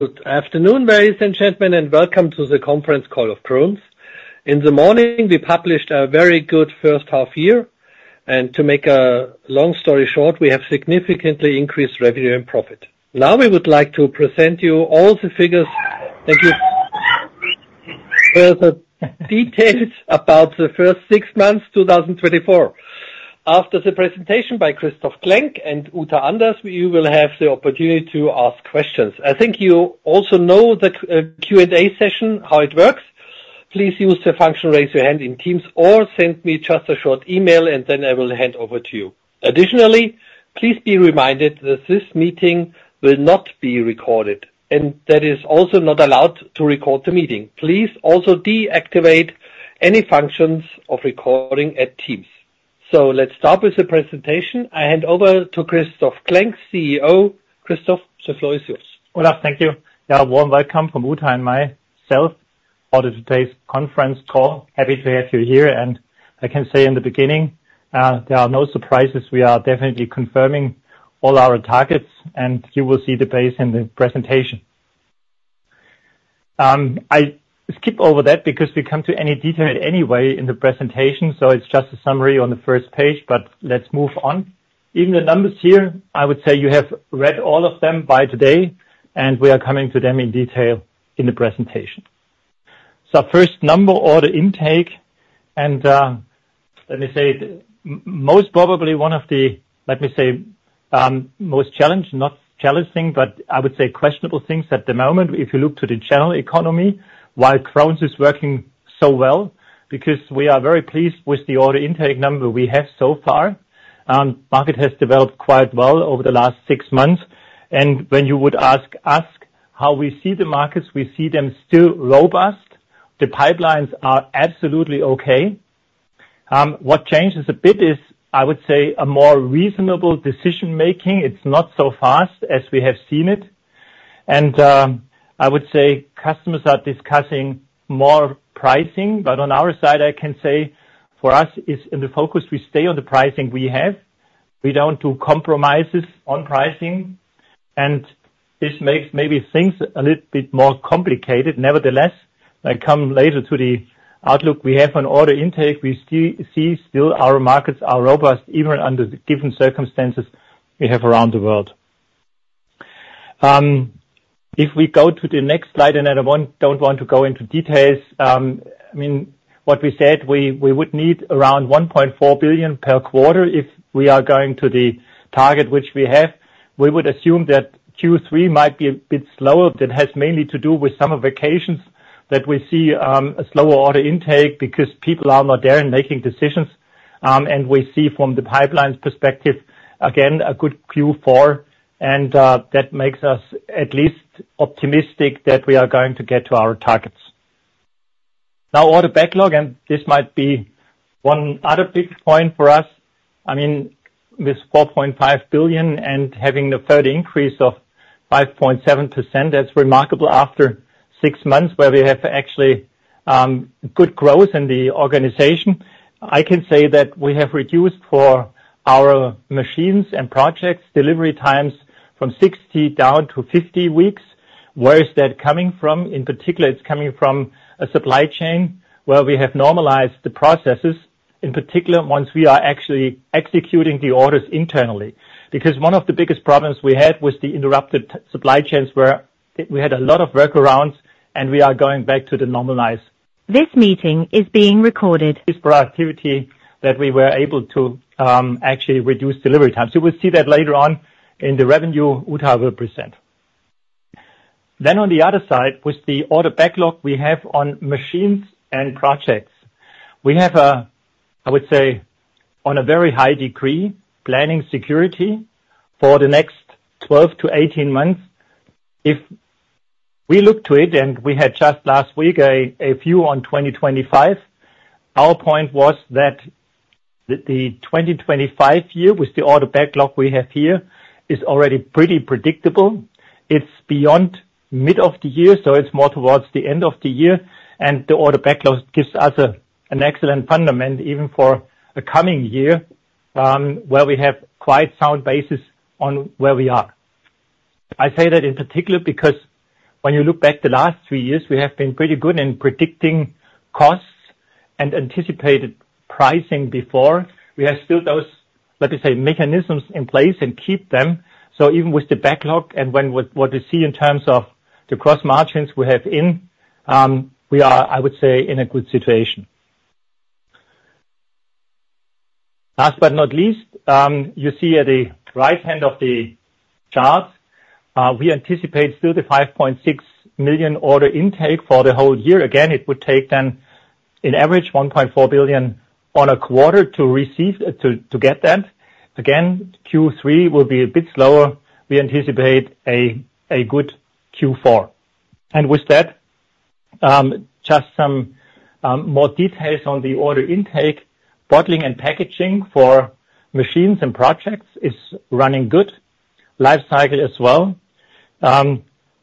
Good afternoon, ladies and gentlemen, and welcome to the conference call of Krones. In the morning, we published a very good first half year, and to make a long story short, we have significantly increased revenue and profit. Now, we would like to present you all the figures and the details about the first six months, 2024. After the presentation by Christoph Klenk and Uta Anders, you will have the opportunity to ask questions. I think you also know the Q&A session, how it works. Please use the function, Raise your Hand in Teams, or send me just a short email, and then I will hand over to you. Additionally, please be reminded that this meeting will not be recorded, and that is also not allowed to record the meeting. Please also deactivate any functions of recording at Teams. Let's start with the presentation. I hand over to Christoph Klenk, CEO. Christoph, the floor is yours. Olaf. Thank you. Yeah, a warm welcome from Uta and myself for today's conference call. Happy to have you here, and I can say in the beginning, there are no surprises. We are definitely confirming all our targets, and you will see the base in the presentation. I skip over that because we come to any detail anyway in the presentation, so it's just a summary on the first page, but let's move on. Even the numbers here, I would say you have read all of them by today, and we are coming to them in detail in the presentation. So, first number, order intake, and let me say, most probably one of the, let me say, most challenged, not challenging, but I would say questionable things at the moment. If you look to the general economy, why Krones is working so well, because we are very pleased with the order intake number we have so far. Market has developed quite well over the last six months, and when you would ask how we see the markets, we see them still robust. The pipelines are absolutely okay. What changes a bit is, I would say, a more reasonable decision-making. It's not so fast as we have seen it. And I would say, customers are discussing more pricing, but on our side, I can say, for us, it's in the focus. We stay on the pricing we have. We don't do compromises on pricing, and this makes maybe things a little bit more complicated. Nevertheless, I come later to the outlook we have on order intake. We still see our markets are robust, even under the different circumstances we have around the world. If we go to the next slide, and I don't want to go into details, I mean, what we said, we would need around 1.4 billion per quarter if we are going to the target, which we have. We would assume that Q3 might be a bit slower. That has mainly to do with summer vacations, that we see a slower order intake because people are not there and making decisions. We see from the pipelines perspective, again, a good Q4, and that makes us at least optimistic that we are going to get to our targets. Now, order backlog, and this might be one other big point for us. I mean, with 4.5 billion and having the third increase of 5.7%, that's remarkable after 6 months, where we have actually good growth in the organization. I can say that we have reduced for our machines and projects, delivery times from 60 down to 50 weeks. Where is that coming from? In particular, it's coming from a supply chain where we have normalized the processes, in particular, ones we are actually executing the orders internally. Because one of the biggest problems we had was the interrupted supply chains, where we had a lot of workarounds, and we are going back to the normalized. This meeting is being recorded. This productivity that we were able to actually reduce delivery times. You will see that later on in the revenue Uta will present. Then on the other side, with the order backlog we have on machines and projects, we have, I would say, on a very high degree, planning security for the next 12-18 months. If we look to it, and we had just last week a few on 2025, our point was that the 2025 year, with the order backlog we have here, is already pretty predictable. It's beyond mid of the year, so it's more towards the end of the year, and the order backlog gives us an excellent fundament, even for the coming year, where we have quite sound basis on where we are. I say that in particular because when you look back the last three years, we have been pretty good in predicting costs and anticipated pricing before. We have still those, let me say, mechanisms in place and keep them. So even with the backlog and when what we see in terms of the gross margins we have in, we are, I would say, in a good situation. Last but not least, you see at the right-hand of the chart, we anticipate still the 5.6 million order intake for the whole year. Again, it would take then an average 1.4 billion per quarter to get that. Again, Q3 will be a bit slower. We anticipate a good Q4. And with that, just some more details on the order intake. Bottling and packaging for machines and projects is running good. Lifecycle as well.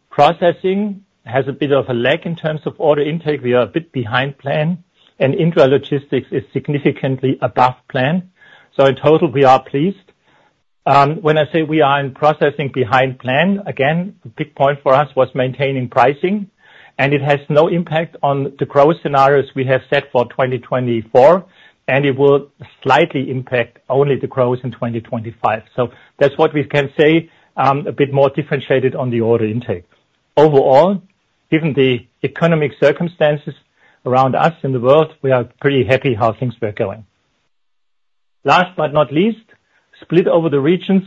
Processing has a bit of a lag in terms of order intake. We are a bit behind plan, and Intralogistics is significantly above plan. So in total, we are pleased. When I say we are in Processing behind plan, again, a big point for us was maintaining pricing, and it has no impact on the growth scenarios we have set for 2024, and it will slightly impact only the growth in 2025. So that's what we can say, a bit more differentiated on the order intake. Overall, given the economic circumstances around us in the world, we are pretty happy how things were going. Last but not least, split over the regions,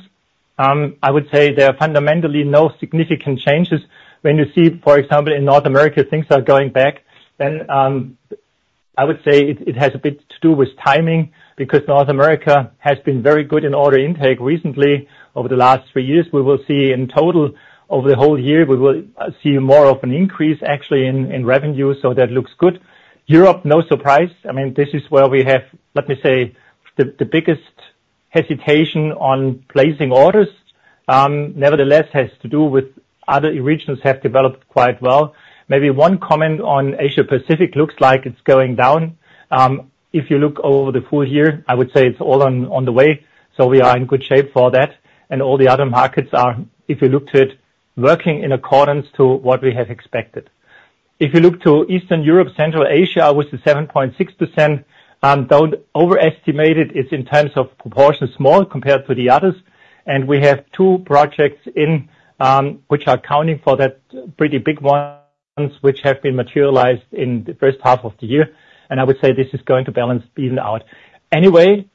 I would say there are fundamentally no significant changes. When you see, for example, in North America, things are going back, then I would say it has a bit to do with timing, because North America has been very good in order intake recently over the last three years. We will see in total, over the whole year, we will see more of an increase, actually, in revenue, so that looks good. Europe, no surprise. I mean, this is where we have, let me say, the biggest hesitation on placing orders. Nevertheless, has to do with other regions have developed quite well. Maybe one comment on Asia Pacific looks like it's going down. If you look over the full year, I would say it's all on, on the way, so we are in good shape for that, and all the other markets are, if you look to it, working in accordance to what we have expected. If you look to Eastern Europe, Central Asia, with the 7.6%, don't overestimate it. It's in terms of proportion, small compared to the others, and we have two projects in which are accounting for that pretty big ones, which have been materialized in the first half of the year. I would say this is going to balance even out. Anyway,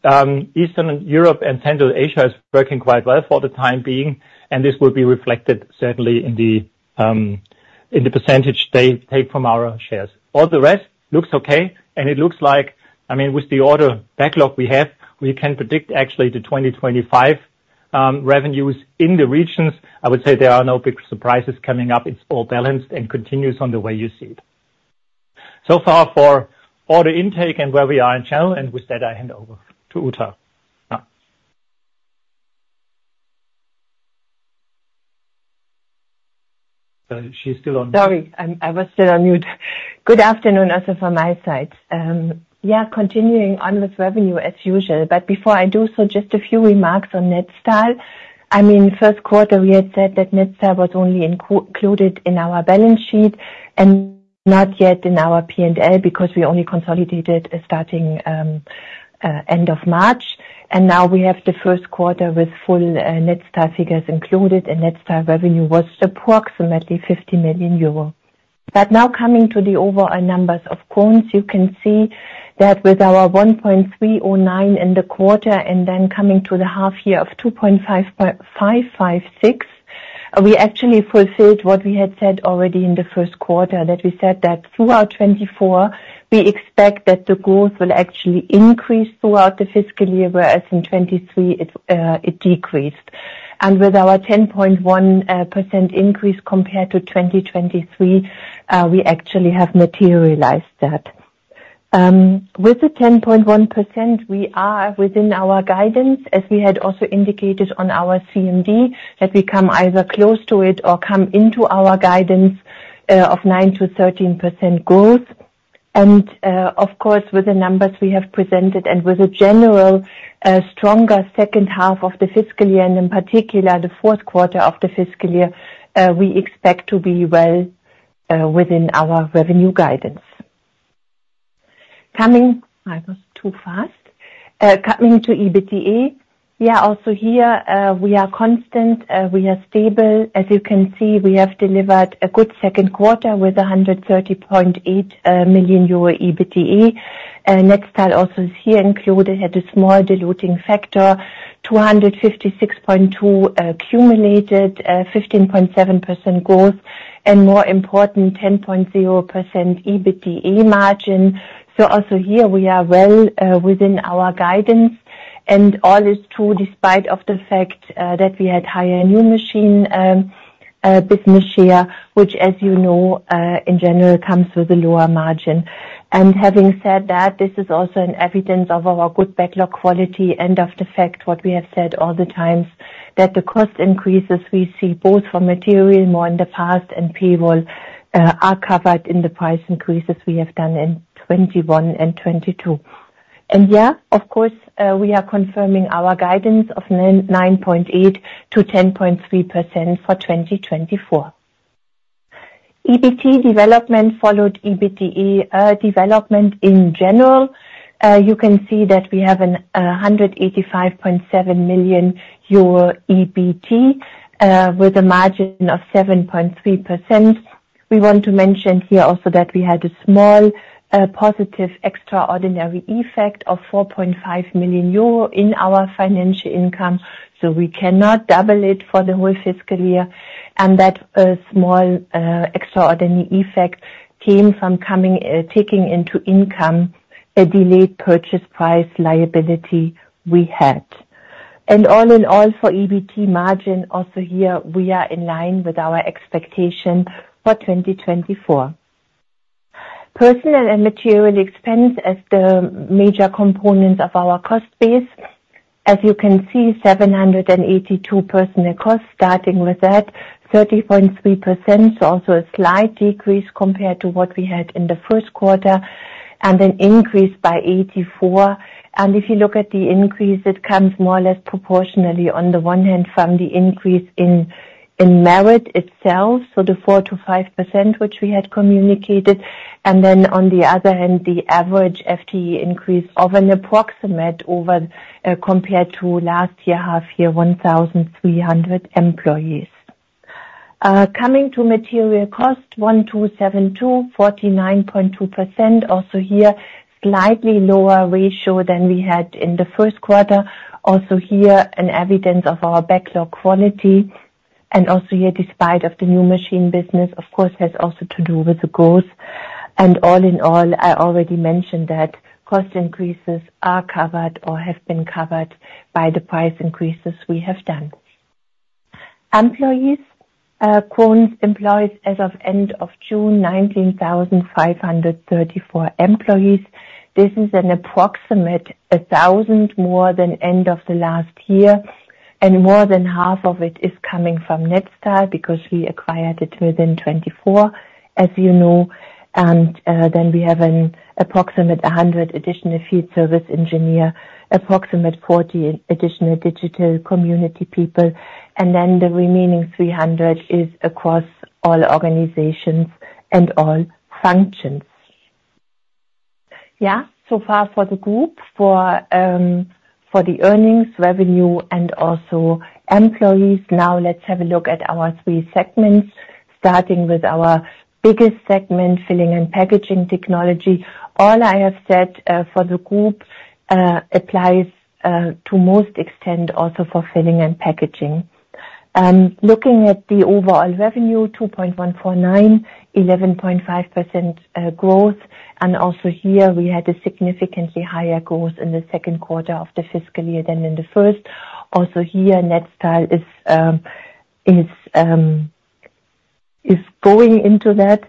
Eastern Europe and Central Asia is working quite well for the time being, and this will be reflected certainly in the percentage they take from our shares. All the rest looks okay, and it looks like, I mean, with the order backlog we have, we can predict actually the 2025 revenues in the regions. I would say there are no big surprises coming up. It's all balanced and continues on the way you see it. So far for order intake and where we are in channel, and with that, I hand over to Uta. Now. She's still on- Sorry, I was still on mute. Good afternoon, also from my side. Yeah, continuing on with revenue as usual, but before I do so, just a few remarks on Netstal. I mean, first quarter, we had said that Netstal was only included in our balance sheet and not yet in our P&L, because we only consolidated starting end of March. And now we have the first quarter with full Netstal figures included, and Netstal revenue was approximately 50 million euro. But now coming to the overall numbers of Krones, you can see that with our 1.309 in the quarter, and then coming to the half year of 2.556, we actually fulfilled what we had said already in the first quarter, that we said that throughout 2024, we expect that the growth will actually increase throughout the fiscal year, whereas in 2023, it decreased. And with our 10.1% increase compared to 2023, we actually have materialized that. With the 10.1%, we are within our guidance, as we had also indicated on our CMD, that we come either close to it or come into our guidance of 9%-13% growth. Of course, with the numbers we have presented and with a general, stronger second half of the fiscal year, and in particular, the fourth quarter of the fiscal year, we expect to be well within our revenue guidance. Coming - I was too fast. Coming to EBITDA, yeah, also here, we are constant, we are stable. As you can see, we have delivered a good second quarter with 130.8 million euro EBITDA. Netstal also is here included, had a small diluting factor, 256.2 million cumulated, 15.7% growth, and more important, 10.0% EBITDA margin. So also here we are well within our guidance, and all is true, despite of the fact that we had higher new machine business share, which, as you know, in general, comes with a lower margin. And having said that, this is also an evidence of our good backlog quality and of the fact what we have said all the times, that the cost increases we see both from material, more in the past and payroll, are covered in the price increases we have done in 2021 and 2022. And yeah, of course, we are confirming our guidance of 9.8%-10.3% for 2024. EBT development followed EBITDA development in general. You can see that we have a 185.7 million euro EBT with a margin of 7.3%. We want to mention here also that we had a small positive extraordinary effect of 4.5 million euro in our financial income, so we cannot double it for the whole fiscal year. And that small extraordinary effect came from taking into income a delayed purchase price liability we had. And all in all, for EBT margin, also here we are in line with our expectation for 2024. Personnel and material expense as the major components of our cost base. As you can see, 782 million personnel costs, starting with that, 30.3%, so also a slight decrease compared to what we had in the first quarter and then increased by 84. And if you look at the increase, it comes more or less proportionally, on the one hand, from the increase in, in merit itself, so the 4%-5%, which we had communicated. And then on the other hand, the average FTE increase of an approximate over, compared to last year, half year, 1,300 employees. Coming to material cost, 12.72, 49.22. Also here, slightly lower ratio than we had in the first quarter. Also here, an evidence of our backlog quality, and also here, despite of the new machine business, of course, has also to do with the growth. And all in all, I already mentioned that cost increases are covered or have been covered by the price increases we have done. Employees, Krones employees as of end of June, 19,534 employees. This is approximately 1,000 more than end of the last year, and more than half of it is coming from Netstal, because we acquired it within 2024, as you know. Then we have approximately 100 additional field service engineer, approximately 40 additional digital community people, and then the remaining 300 is across all organizations and all functions. Yeah, so far for the group, for, for the earnings, revenue, and also employees. Now let's have a look at our three segments, starting with our biggest segment, Filling and Packaging Technology. All I have said, for the group, applies, to most extent also for Filling and Packaging. Looking at the overall revenue, 2.149 billion, 11.5% growth, and also here we had a significantly higher growth in the second quarter of the fiscal year than in the first. Also here, Netstal is going into that,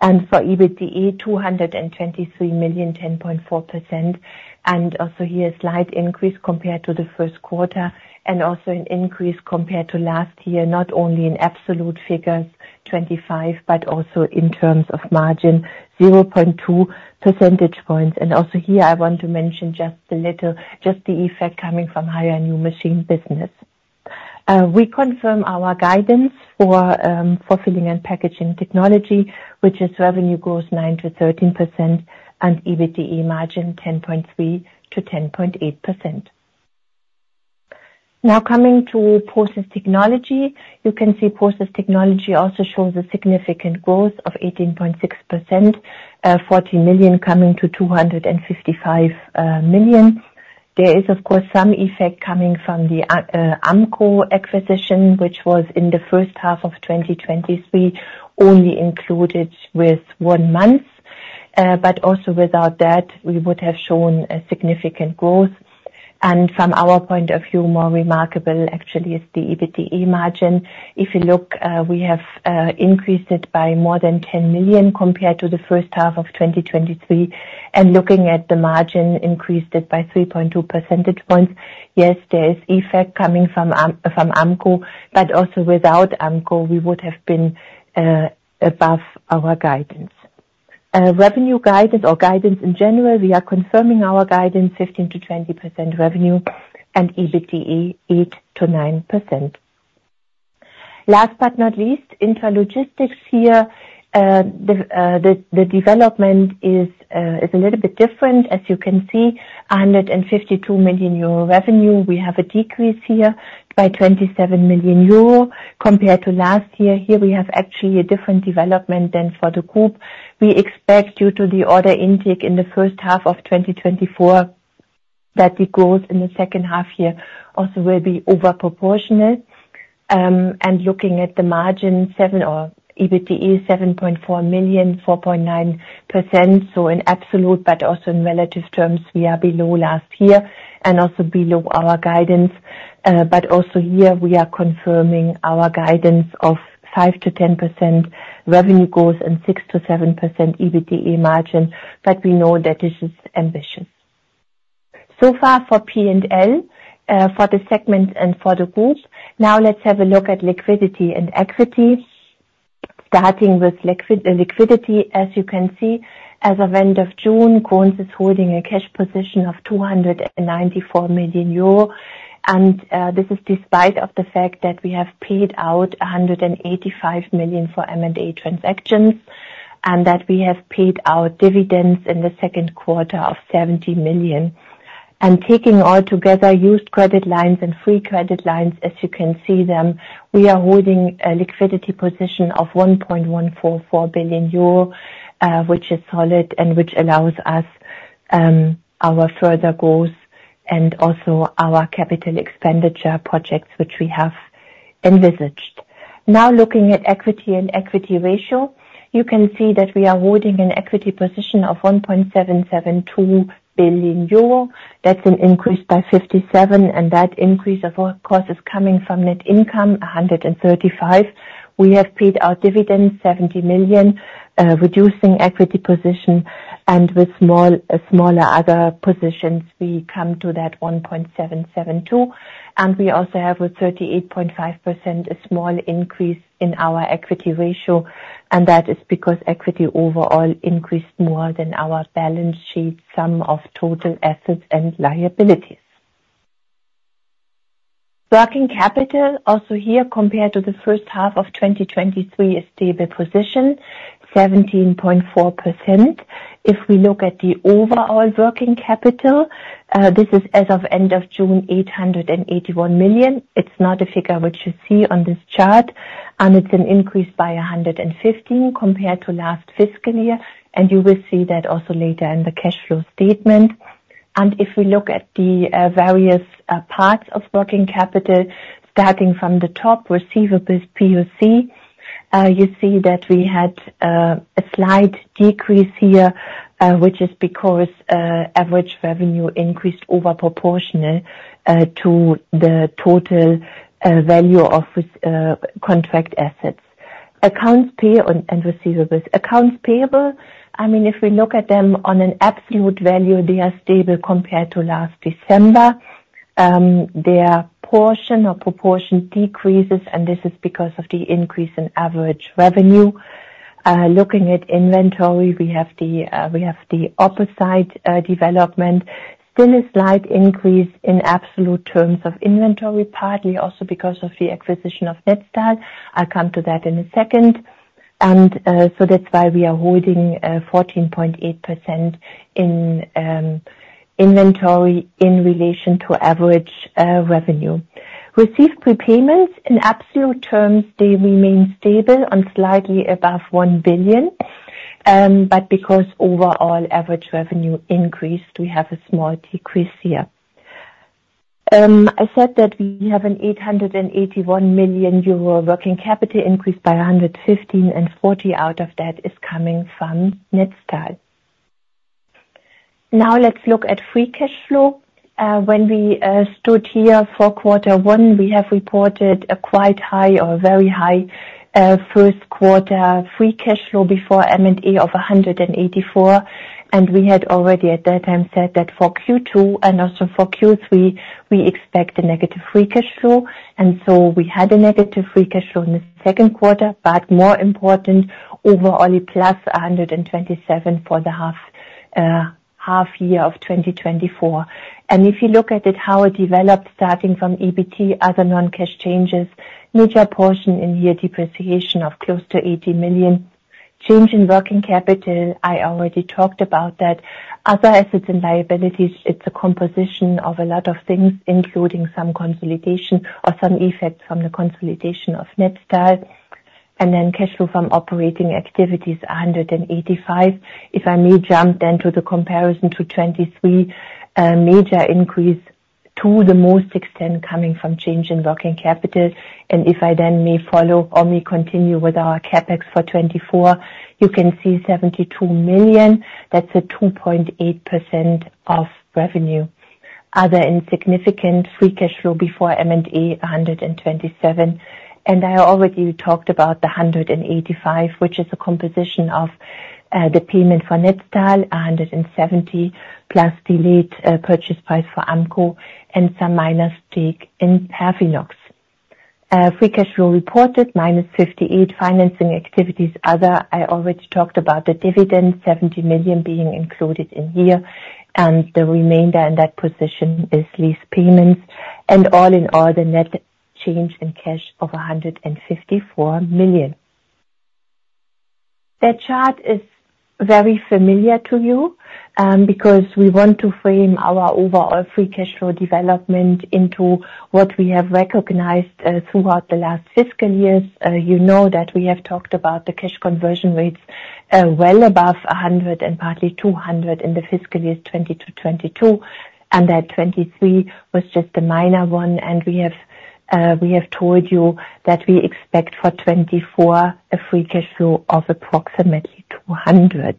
and for EBITDA, 223 million, 10.4%. And also here, a slight increase compared to the first quarter, and also an increase compared to last year, not only in absolute figures, 25, but also in terms of margin, 0.2 percentage points. And also here, I want to mention just a little, just the effect coming from higher new machine business. We confirm our guidance for Filling and Packaging Technology, which is revenue grows 9%-13% and EBITDA margin 10.3%-10.8%. Now coming to process Technology. You can see Process Technology also shows a significant growth of 18.6%, 40 million, coming to 255 million. There is, of course, some effect coming from the Ampco acquisition, which was in the first half of 2023, only included with 1 month. But also without that, we would have shown a significant growth. And from our point of view, more remarkable actually is the EBITDA margin. If you look, we have increased it by more than 10 million compared to the first half of 2023, and looking at the margin, increased it by 3.2 percentage points. Yes, there is effect coming from Ampco, but also without Ampco, we would have been above our guidance. Revenue guidance or guidance in general, we are confirming our guidance 15%-20% revenue and EBITDA 8%-9%. Last but not least, intralogistics here. The development is a little bit different. As you can see, 152 million euro revenue, we have a decrease here by 27 million euro compared to last year. Here we have actually a different development than for the group. We expect due to the order intake in the first half of 2024, that the growth in the second half year also will be over proportional. And looking at the margin, seven or EBITDA, 7.4 million, 4.9%. So in absolute, but also in relative terms, we are below last year and also below our guidance. But also here, we are confirming our guidance of 5%-10% revenue growth and 6%-7% EBITDA margin, but we know that this is ambitious. So far for P and L, for the segment and for the group. Now let's have a look at liquidity and equity. Starting with the liquidity, as you can see, as of end of June, Krones is holding a cash position of 294 million euro. And this is despite of the fact that we have paid out 185 million for M&A transactions, and that we have paid our dividends in the second quarter of 70 million. Taking all together, used credit lines and free credit lines, as you can see them, we are holding a liquidity position of 1.144 billion euro, which is solid and which allows us, our further growth and also our capital expenditure projects, which we have envisaged. Now, looking at equity and equity ratio, you can see that we are holding an equity position of 1.772 billion euro. That's an increase by 57, and that increase, of course, is coming from net income, 135 million. We have paid our dividends, 70 million, reducing equity position, and with small, smaller other positions, we come to that 1.772 billion. We also have, with 38.5%, a small increase in our equity ratio, and that is because equity overall increased more than our balance sheet, sum of total assets and liabilities. Working capital, also here compared to the first half of 2023, a stable position, 17.4%. If we look at the overall working capital, this is as of end of June, 881 million. It's not a figure which you see on this chart, and it's an increase by 115 million compared to last fiscal year, and you will see that also later in the cash flow statement. If we look at the various parts of working capital, starting from the top, receivables POC, you see that we had a slight decrease here, which is because average revenue increased over proportional to the total value of this contract assets. Accounts payable, I mean, if we look at them on an absolute value, they are stable compared to last December. Their portion or proportion decreases, and this is because of the increase in average revenue. Looking at inventory, we have the opposite development. Still a slight increase in absolute terms of inventory, partly also because of the acquisition of Netstal. I'll come to that in a second. So that's why we are holding 14.8% in inventory in relation to average revenue. Received prepayments, in absolute terms, they remain stable on slightly above 1 billion, but because overall average revenue increased, we have a small decrease here. I said that we have an 881 million euro working capital increase by 115, and 40 out of that is coming from Netstal. Now, let's look at free cash flow. When we stood here for quarter one, we have reported a quite high or very high, first quarter free cash flow before M&A of 184, and we had already at that time said that for Q2 and also for Q3, we expect a negative free cash flow. And so we had a negative free cash flow in the second quarter, but more important, overall, +127 million for the half year of 2024. And if you look at it, how it developed, starting from EBT, other non-cash changes, major portion in year depreciation of close to 80 million. Change in working capital, I already talked about that. Other assets and liabilities, it's a composition of a lot of things, including some consolidation or some effect from the consolidation of Netstal, and then cash flow from operating activities, 185 million. If I may jump then to the comparison to 2023, a major increase to the most extent coming from change in working capital. And if I then may follow or may continue with our CapEx for 2024, you can see 72 million. That's a 2.8% of revenue. Other insignificant free cash flow before M&A, 127. I already talked about the 185, which is a composition of the payment for Netstal, 170, plus delayed purchase price for Ampco and some minor stake in Perfinox. Free cash flow reported, -58. Financing activities, other, I already talked about the dividend, 70 million being included in here, and the remainder in that position is lease payments. All in all, the net change in cash of 154 million. That chart is very familiar to you, because we want to frame our overall free cash flow development into what we have recognized throughout the last fiscal years. You know that we have talked about the cash conversion rates, well above 100 and partly 200 in the fiscal year 2022 to 2022, and that 2023 was just a minor one. We have told you that we expect for 2024, a free cash flow of approximately 200 million.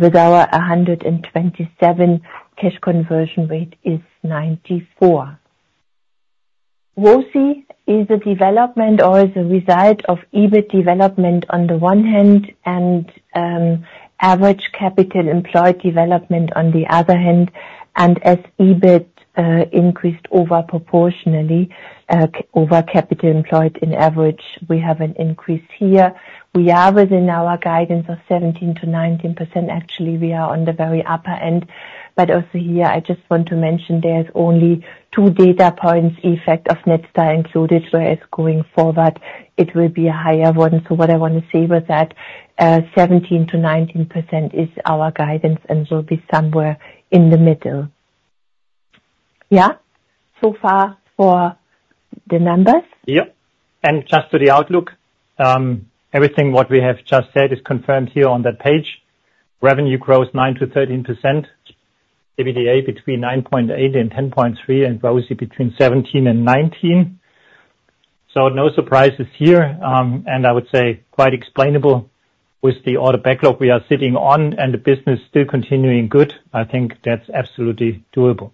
With our 127, cash conversion rate is 94%. ROCE is a development or is a result of EBIT development on the one hand and average capital employed development on the other hand. As EBIT increased over proportionally over capital employed in average, we have an increase here. We are within our guidance of 17%-19%. Actually, we are on the very upper end, but also here, I just want to mention there's only two data points, effect of Netstal included, whereas going forward, it will be a higher one. So what I want to say with that, 17%-19% is our guidance and will be somewhere in the middle. Yeah, so far for the numbers? Yeah. Just to the outlook, everything what we have just said is confirmed here on that page. Revenue grows 9%-13%, EBITDA between 9.8 and 10.3, and ROCE between 17 and 19. So no surprises here, and I would say quite explainable with the order backlog we are sitting on and the business still continuing good. I think that's absolutely doable.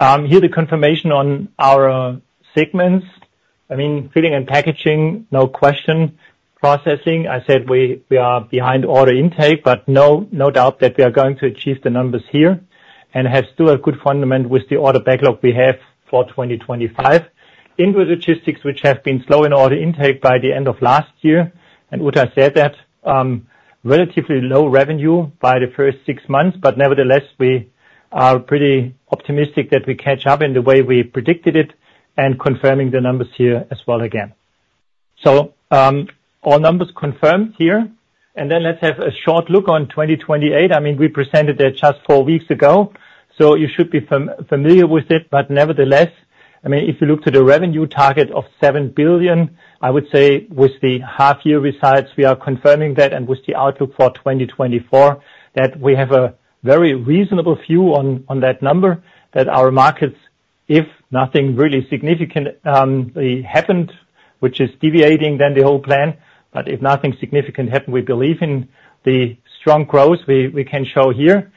Here, the confirmation on our segments, I mean, filling and packaging, no question. Processing, I said we are behind order intake, but no doubt that we are going to achieve the numbers here and have still a good fundament with the order backlog we have for 2025. Intralogistics, which have been slow in order intake by the end of last year, and Uta said that, relatively low revenue by the first six months, but nevertheless, we are pretty optimistic that we catch up in the way we predicted it and confirming the numbers here as well again. So, all numbers confirmed here, and then let's have a short look on 2028. I mean, we presented that just four weeks ago, so you should be familiar with it. But nevertheless, I mean, if you look to the revenue target of 7 billion, I would say with the half year results, we are confirming that and with the outlook for 2024, that we have a very reasonable view on, on that number, that our markets, if nothing really significant happened, which is deviating than the whole plan, but if nothing significant happened, we believe in the strong growth we, we can show here.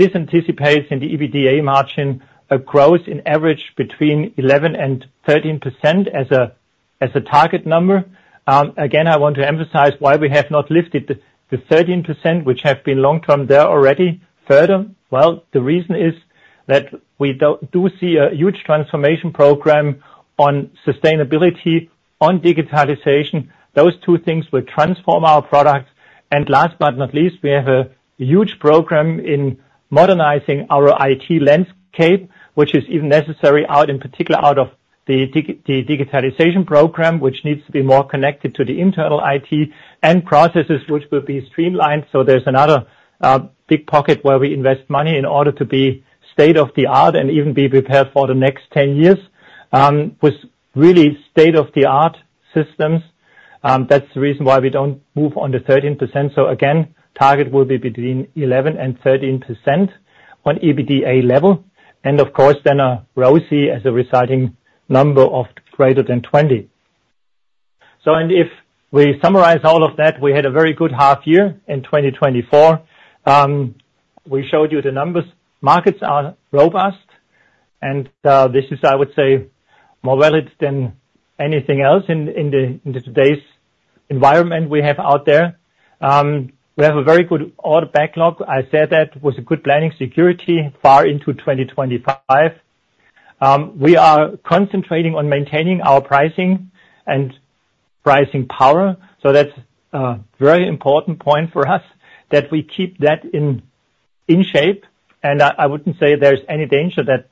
This anticipates in the EBITDA margin, a growth in average between 11% and 13% as a, as a target number. Again, I want to emphasize why we have not lifted the, the 13%, which have been long-term there already. Further, well, the reason is that we don't see a huge transformation program on sustainability, on digitization. Those two things will transform our products. Last but not least, we have a huge program in modernizing our IT landscape, which is even necessary out, in particular out of the the digitization program, which needs to be more connected to the internal IT and processes, which will be streamlined. So there's another big pocket where we invest money in order to be state-of-the-art and even be prepared for the next 10 years with really state-of-the-art systems. That's the reason why we don't move on the 13%. So again, target will be between 11% and 13% on EBITDA level, and of course, then a ROCE as a residing number of greater than 20. And if we summarize all of that, we had a very good half year in 2024. We showed you the numbers. Markets are robust, and this is, I would say, more valid than anything else in today's environment we have out there. We have a very good order backlog. I said that with a good planning security far into 2025. We are concentrating on maintaining our pricing and pricing power, so that's a very important point for us, that we keep that in shape. And I wouldn't say there's any danger that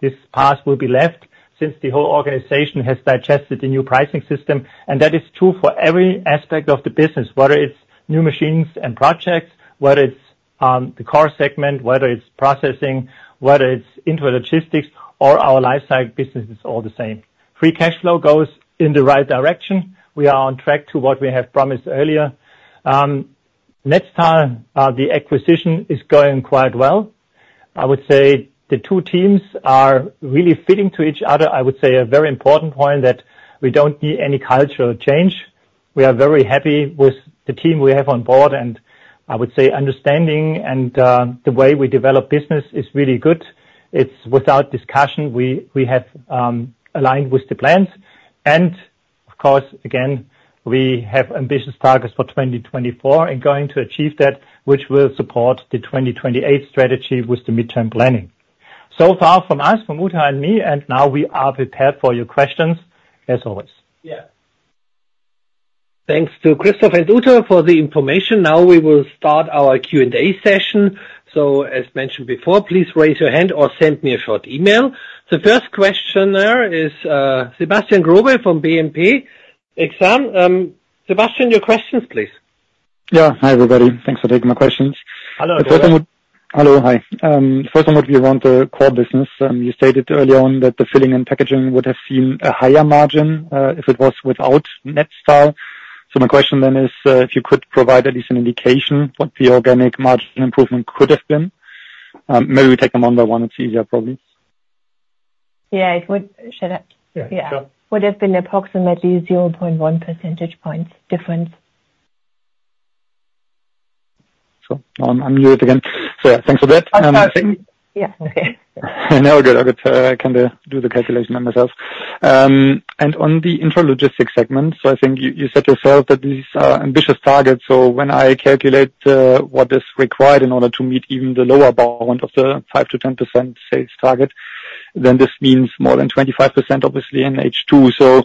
this path will be left since the whole organization has digested the new pricing system. And that is true for every aspect of the business, whether it's new machines and projects, whether it's the core segment, whether it's processing, whether it's intralogistics or our Lifecycle business, it's all the same. Free cash flow goes in the right direction. We are on track to what we have promised earlier. Netstal, the acquisition is going quite well. I would say the two teams are really fitting to each other. I would say a very important point, that we don't need any cultural change. We are very happy with the team we have on board, and I would say understanding and, the way we develop business is really good. It's without discussion, we have aligned with the plans. And of course, again, we have ambitious targets for 2024 and going to achieve that, which will support the 2028 strategy with the midterm planning. So far from us, from Uta and me, and now we are prepared for your questions, as always. Yeah. Thanks to Christoph and Uta for the information. Now, we will start our Q&A session. As mentioned before, please raise your hand or send me a short email. The first questioner is Sebastian Growe from BNP Paribas Exane. Sebastian, your questions, please. Yeah. Hi, everybody. Thanks for taking my questions. Hello. Hello. Hi. First, on what we want, core business. You stated early on that the filling and packaging would have seen a higher margin, if it was without Netstal. So my question then is, if you could provide at least an indication what the organic margin improvement could have been? Maybe we take them one by one, it's easier, probably. Yeah, it would... Should I? Yeah, sure. Yeah. Would have been approximately 0.1 percentage points difference. I'm mute again. Yeah, thanks for that. Yeah, okay. Now, good. I could kind of do the calculation by myself. And on the Intralogistics segment, so I think you, you said yourself that these are ambitious targets. So when I calculate what is required in order to meet even the lower bound of the 5%-10% sales target, then this means more than 25%, obviously, in H2. So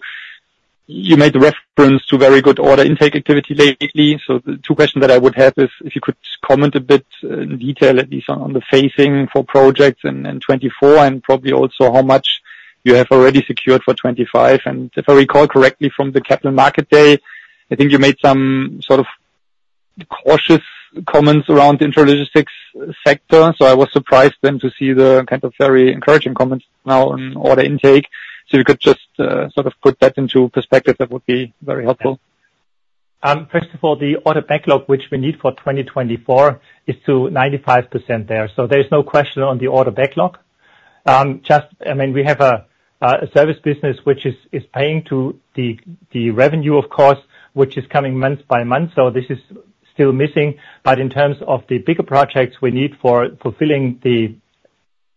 you made the reference to very good order intake activity lately. So the two questions that I would have is, if you could comment a bit in detail, at least on the phasing for projects in 2024, and probably also how much you have already secured for 2025. If I recall correctly from the Capital Market Day, I think you made some sort of cautious comments around intralogistics sector, so I was surprised then to see the kind of very encouraging comments now on order intake. If you could just sort of put that into perspective, that would be very helpful. First of all, the order backlog, which we need for 2024, is to 95% there. So there's no question on the order backlog. Just, I mean, we have a service business, which is paying to the revenue, of course, which is coming month by month, so this is still missing. But in terms of the bigger projects we need for fulfilling the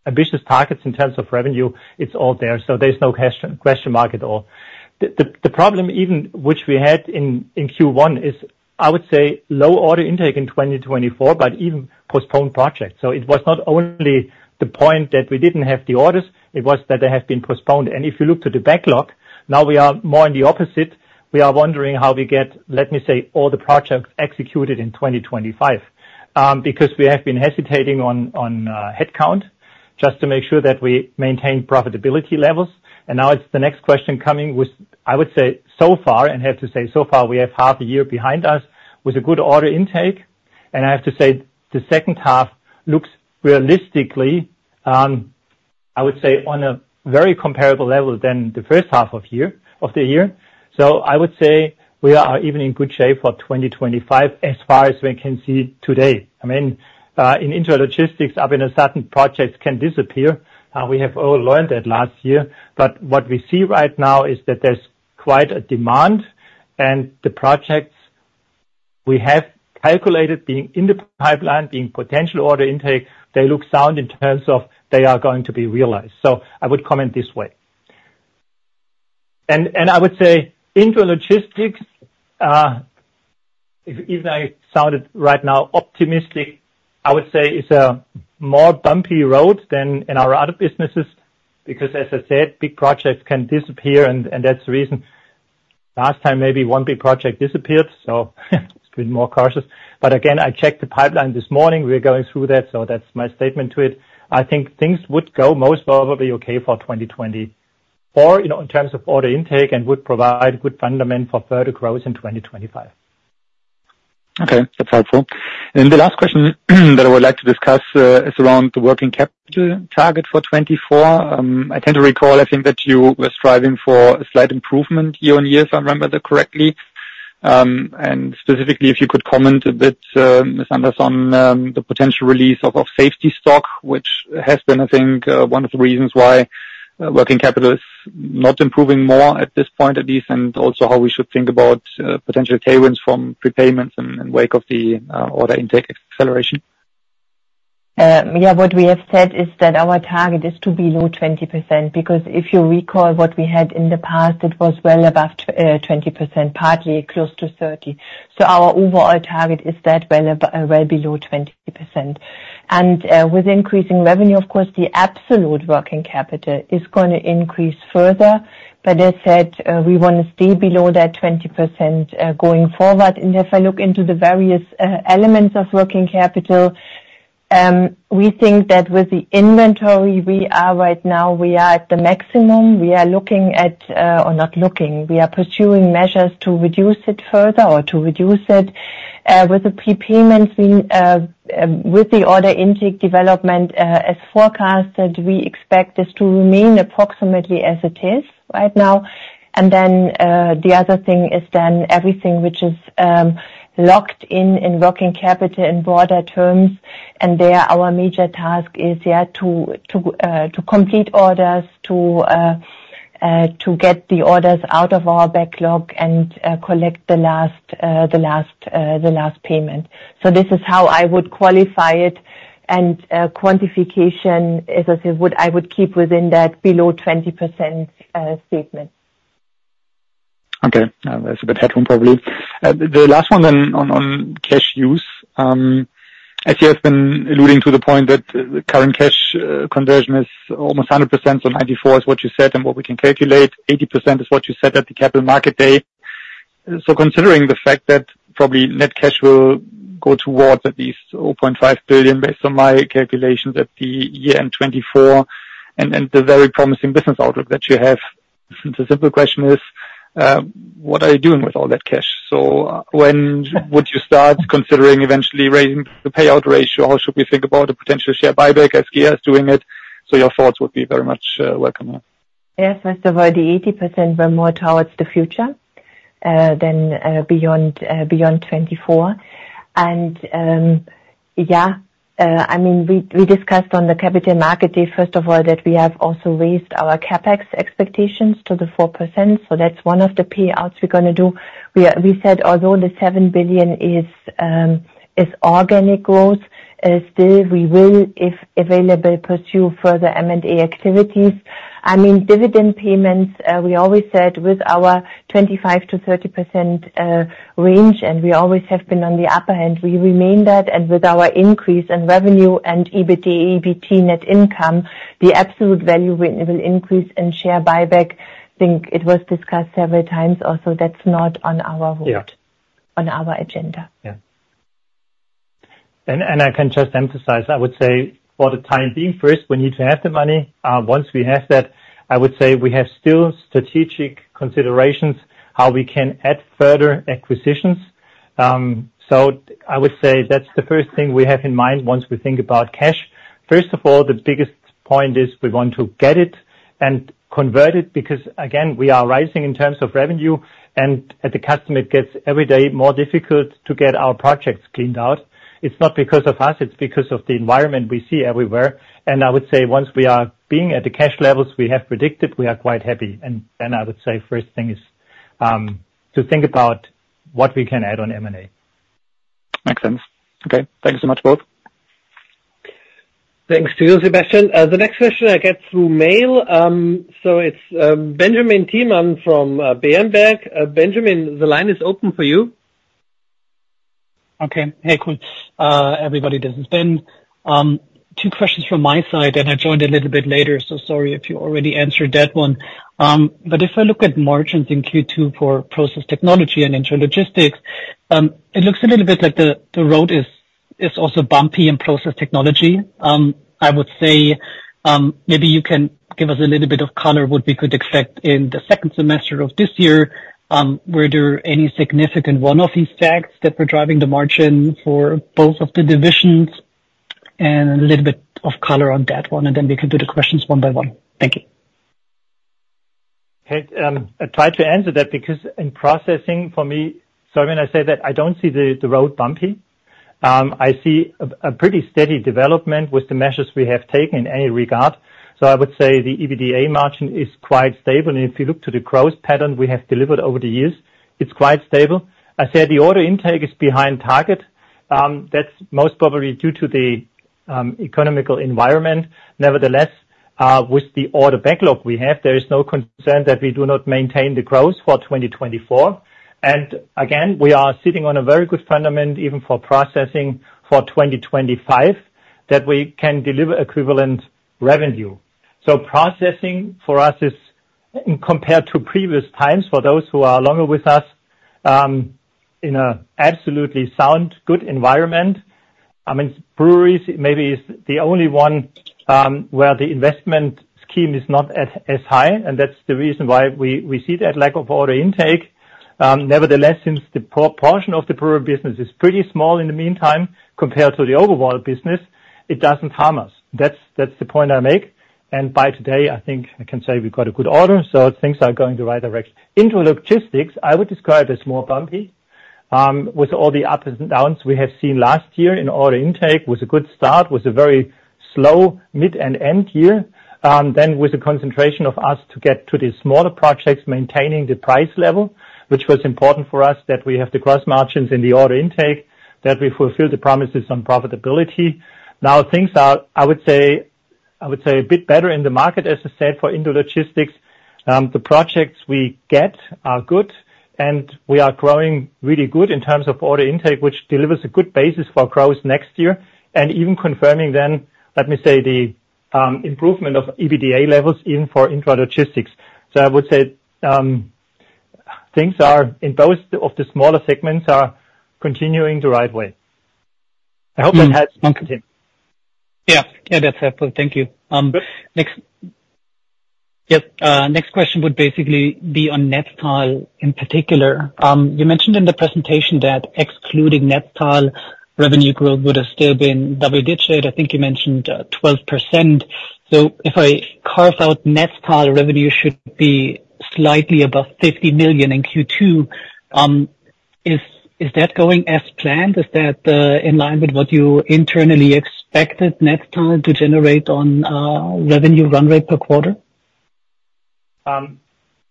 ambitious targets in terms of revenue, it's all there, so there's no question, question mark at all. The problem even which we had in Q1 is, I would say, low order intake in 2024, but even postponed projects. So it was not only the point that we didn't have the orders, it was that they have been postponed. And if you look to the backlog, now we are more in the opposite. We are wondering how we get, let me say, all the projects executed in 2025. Because we have been hesitating on headcount, just to make sure that we maintain profitability levels. And now it's the next question coming with, I would say, so far, and have to say so far, we have half a year behind us with a good order intake. And I have to say, the second half looks realistically, I would say, on a very comparable level than the first half of year, of the year. So I would say we are even in good shape for 2025 as far as we can see today. I mean, in intralogistics, I mean, a certain projects can disappear. We have all learned that last year. But what we see right now is that there's quite a demand, and the projects we have calculated being in the pipeline, being potential order intake, they look sound in terms of they are going to be realized. So I would comment this way. And I would say intralogistics, if I sounded right now optimistic, I would say is a more bumpy road than in our other businesses, because as I said, big projects can disappear, and that's the reason. Last time, maybe one big project disappeared, so it's been more cautious. But again, I checked the pipeline this morning. We're going through that, so that's my statement to it. I think things would go most probably okay for 2020. Or, you know, in terms of order intake, and would provide good foundation for further growth in 2025. Okay, that's helpful. The last question that I would like to discuss is around the working capital target for 2024. I tend to recall, I think, that you were striving for a slight improvement year-over-year, if I remember that correctly. And specifically, if you could comment a bit, Ms. Anders, the potential release of safety stock, which has been, I think, one of the reasons why working capital is not improving more at this point, at least, and also how we should think about potential tailwinds from prepayments and wake of the order intake acceleration. Yeah, what we have said is that our target is to be below 20%, because if you recall what we had in the past, it was well above 20%, partly close to 30%. So our overall target is that well below 20%. And, with increasing revenue, of course, the absolute working capital is gonna increase further. But as said, we wanna stay below that 20%, going forward. And if I look into the various elements of working capital, we think that with the inventory, we are right now, we are at the maximum. We are looking at, or not looking, we are pursuing measures to reduce it further or to reduce it. With the prepayments, we, with the order intake development, as forecasted, we expect this to remain approximately as it is right now. And then, the other thing is then everything which is locked in working capital in broader terms, and there, our major task is, yeah, to complete orders, to get the orders out of our backlog and collect the last payment. So this is how I would qualify it, and quantification, as I said, would, I would keep within that below 20% statement. Okay, now, that's a bit headroom, probably. The last one then on cash use. As you have been alluding to the point that the current cash conversion is almost 100%, so 94% is what you said and what we can calculate. 80% is what you said at the capital market day. So considering the fact that probably net cash will go towards at least 0.5 billion, based on my calculations, at year-end 2024, and then the very promising business outlook that you have, the simple question is, what are you doing with all that cash? So when would you start considering eventually raising the payout ratio, or should we think about a potential share buyback as GEA is doing it? So your thoughts would be very much welcome here. Yes, first of all, the 80% were more towards the future than beyond 2024. And yeah, I mean, we discussed on the capital market day, first of all, that we have also raised our CapEx expectations to the 4%, so that's one of the payouts we're gonna do. We said although the 7 billion is organic growth, still we will, if available, pursue further M&A activities. I mean, dividend payments, we always said with our 25%-30% range, and we always have been on the upper hand, we remain that. And with our increase in revenue and EBT, EBT net income, the absolute value will increase and share buyback. I think it was discussed several times also, that's not on our vote- Yeah. - on our agenda. Yeah. And I can just emphasize, I would say for the time being, first, we need to have the money. Once we have that, I would say we have still strategic considerations, how we can add further acquisitions. So I would say that's the first thing we have in mind once we think about cash. First of all, the biggest point is we want to get it and convert it, because, again, we are rising in terms of revenue, and at the customer, it gets every day more difficult to get our projects cleaned out. It's not because of us, it's because of the environment we see everywhere. And I would say once we are being at the cash levels we have predicted, we are quite happy. And I would say first thing is to think about what we can add on M&A. Makes sense. Okay, thank you so much, both. Thanks to you, Sebastian. The next question I get through mail, so it's Benjamin Thielmann from Berenberg. Benjamin, the line is open for you. Okay. Hey, cool. Everybody then, two questions from my side, and I joined a little bit later, so sorry if you already answered that one. But if I look at margins in Q2 for process technology and intralogistics, it looks a little bit like the road is also bumpy in process technology. I would say, maybe you can give us a little bit of color, what we could expect in the second semester of this year. Were there any significant one-off effects that were driving the margin for both of the divisions? And a little bit of color on that one, and then we can do the questions one by one. Thank you. I'll try to answer that, because in processing, for me, so when I say that, I don't see the road bumpy. I see a pretty steady development with the measures we have taken in any regard. So I would say the EBITDA margin is quite stable, and if you look to the growth pattern we have delivered over the years, it's quite stable. I said the order intake is behind target. That's most probably due to the economic environment. Nevertheless, with the order backlog we have, there is no concern that we do not maintain the growth for 2024. And again, we are sitting on a very good fundament, even for processing, for 2025, that we can deliver equivalent revenue. So processing, for us, is, in compared to previous times, for those who are longer with us, in an absolutely sound, good environment. I mean, breweries maybe is the only one, where the investment scheme is not at as high, and that's the reason why we, we see that lack of order intake. Nevertheless, since the portion of the brewery business is pretty small in the meantime, compared to the overall business, it doesn't harm us. That's, that's the point I make, and by today, I think I can say we've got a good order, so things are going the right direction. Intralogistics, I would describe it as more bumpy, with all the ups and downs we have seen last year in order intake, with a good start, with a very slow mid and end year. Then with the concentration of us to get to the smaller projects, maintaining the price level, which was important for us, that we have the gross margins in the Order Intake, that we fulfill the promises on profitability. Now things are, I would say, a bit better in the market, as I said, for Intralogistics. The projects we get are good, and we are growing really good in terms of Order Intake, which delivers a good basis for growth next year. And even confirming then, let me say, the improvement of EBITDA levels, even for Intralogistics. So I would say, things are, in both of the smaller segments, are continuing the right way. I hope that helps continue. Yeah. Yeah, that's helpful. Thank you. Next... Yep, next question would basically be on Netstal in particular. You mentioned in the presentation that excluding Netstal, revenue growth would have still been double digit. I think you mentioned 12%. So if I carve out Netstal, revenue should be slightly above 50 million in Q2. Is that going as planned? Is that in line with what you internally expected Netstal to generate on revenue run rate per quarter?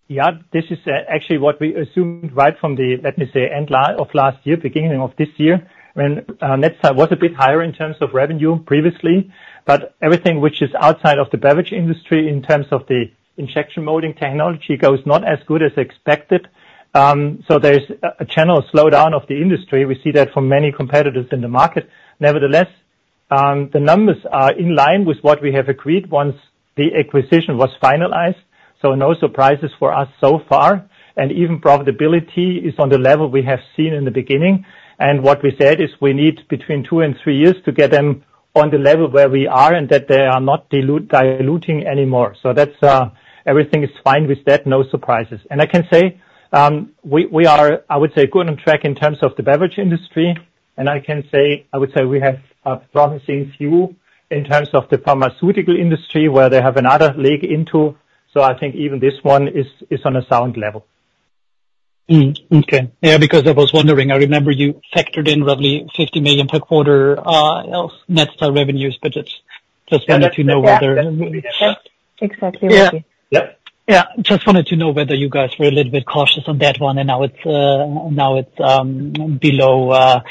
Yeah, this is actually what we assumed right from the, let me say, end line of last year, beginning of this year, when Netstal was a bit higher in terms of revenue previously. But everything which is outside of the beverage industry, in terms of the injection molding technology, goes not as good as expected. So there's a general slowdown of the industry. We see that from many competitors in the market. Nevertheless, the numbers are in line with what we have agreed once the acquisition was finalized, so no surprises for us so far. And even profitability is on the level we have seen in the beginning. And what we said is we need between two and three years to get them on the level where we are and that they are not diluting anymore. So that's everything is fine with that, no surprises. I can say we are, I would say, good on track in terms of the beverage industry, and I can say, I would say we have a promising few in terms of the pharmaceutical industry, where they have another leg into, so I think even this one is on a sound level. Okay. Yeah, because I was wondering, I remember you factored in roughly 50 million per quarter of Netstal revenues, but it's just wanted to know whether- Exactly, yeah. Yeah. Yep. Yeah. Just wanted to know whether you guys were a little bit cautious on that one, and now it's below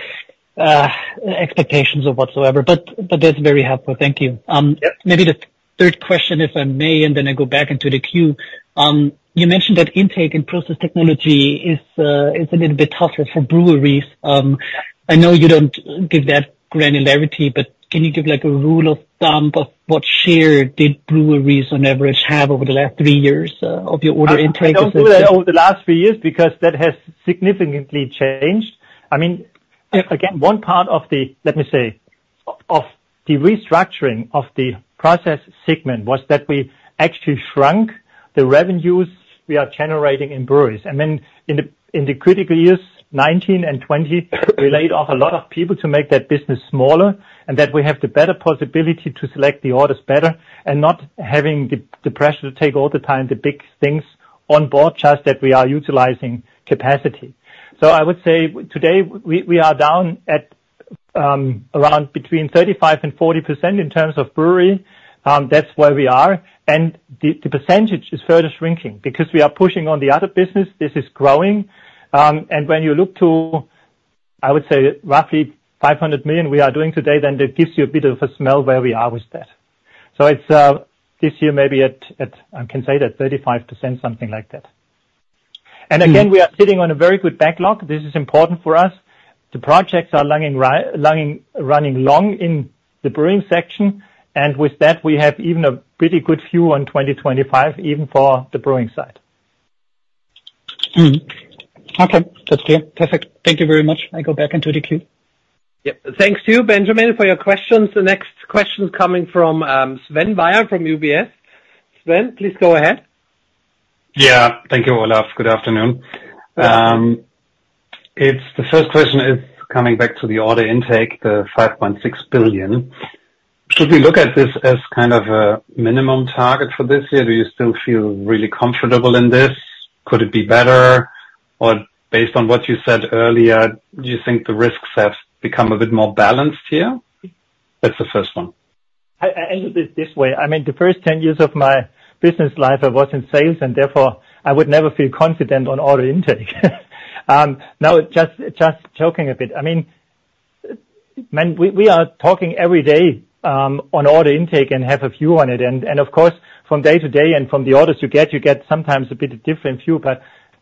expectations or whatsoever. But that's very helpful. Thank you. Yep. Maybe the third question, if I may, and then I go back into the queue. You mentioned that intake and process technology is a little bit tougher for breweries. I know you don't give that granularity, but can you give, like, a rule of thumb of what share did breweries, on average, have over the last three years of your order intake? Over the last few years, because that has significantly changed. I mean, again, one part of the, let me say, of the restructuring of the process segment was that we actually shrunk the revenues we are generating in breweries. And then in the critical years, 2019 and 2020, we laid off a lot of people to make that business smaller, and that we have the better possibility to select the orders better and not having the pressure to take all the time, the big things on board, just that we are utilizing capacity. So I would say, today, we are down at around between 35% and 40% in terms of brewery. That's where we are. And the percentage is further shrinking because we are pushing on the other business. This is growing. And when you look to-... I would say roughly 500 million we are doing today, then it gives you a bit of a smell where we are with that. So it's this year, maybe at, I can say that 35%, something like that. And again, we are sitting on a very good backlog. This is important for us. The projects are running long in the brewing section, and with that, we have even a pretty good view on 2025, even for the brewing side. Mm-hmm. Okay, that's clear. Perfect. Thank you very much. I go back into the queue. Yep. Thank you, Benjamin, for your questions. The next question coming from Sven Weier from UBS. Sven, please go ahead. Yeah. Thank you, Olaf. Good afternoon. It's the first question is coming back to the order intake, the 5.6 billion. Should we look at this as kind of a minimum target for this year? Do you still feel really comfortable in this? Could it be better? Or based on what you said earlier, do you think the risks have become a bit more balanced here? That's the first one. I enter it this way. I mean, the first 10 years of my business life, I was in sales, and therefore, I would never feel confident on order intake. Now, just joking a bit. I mean, when we are talking every day on order intake and have a view on it. And of course, from day to day and from the orders you get, you get sometimes a bit different view. But,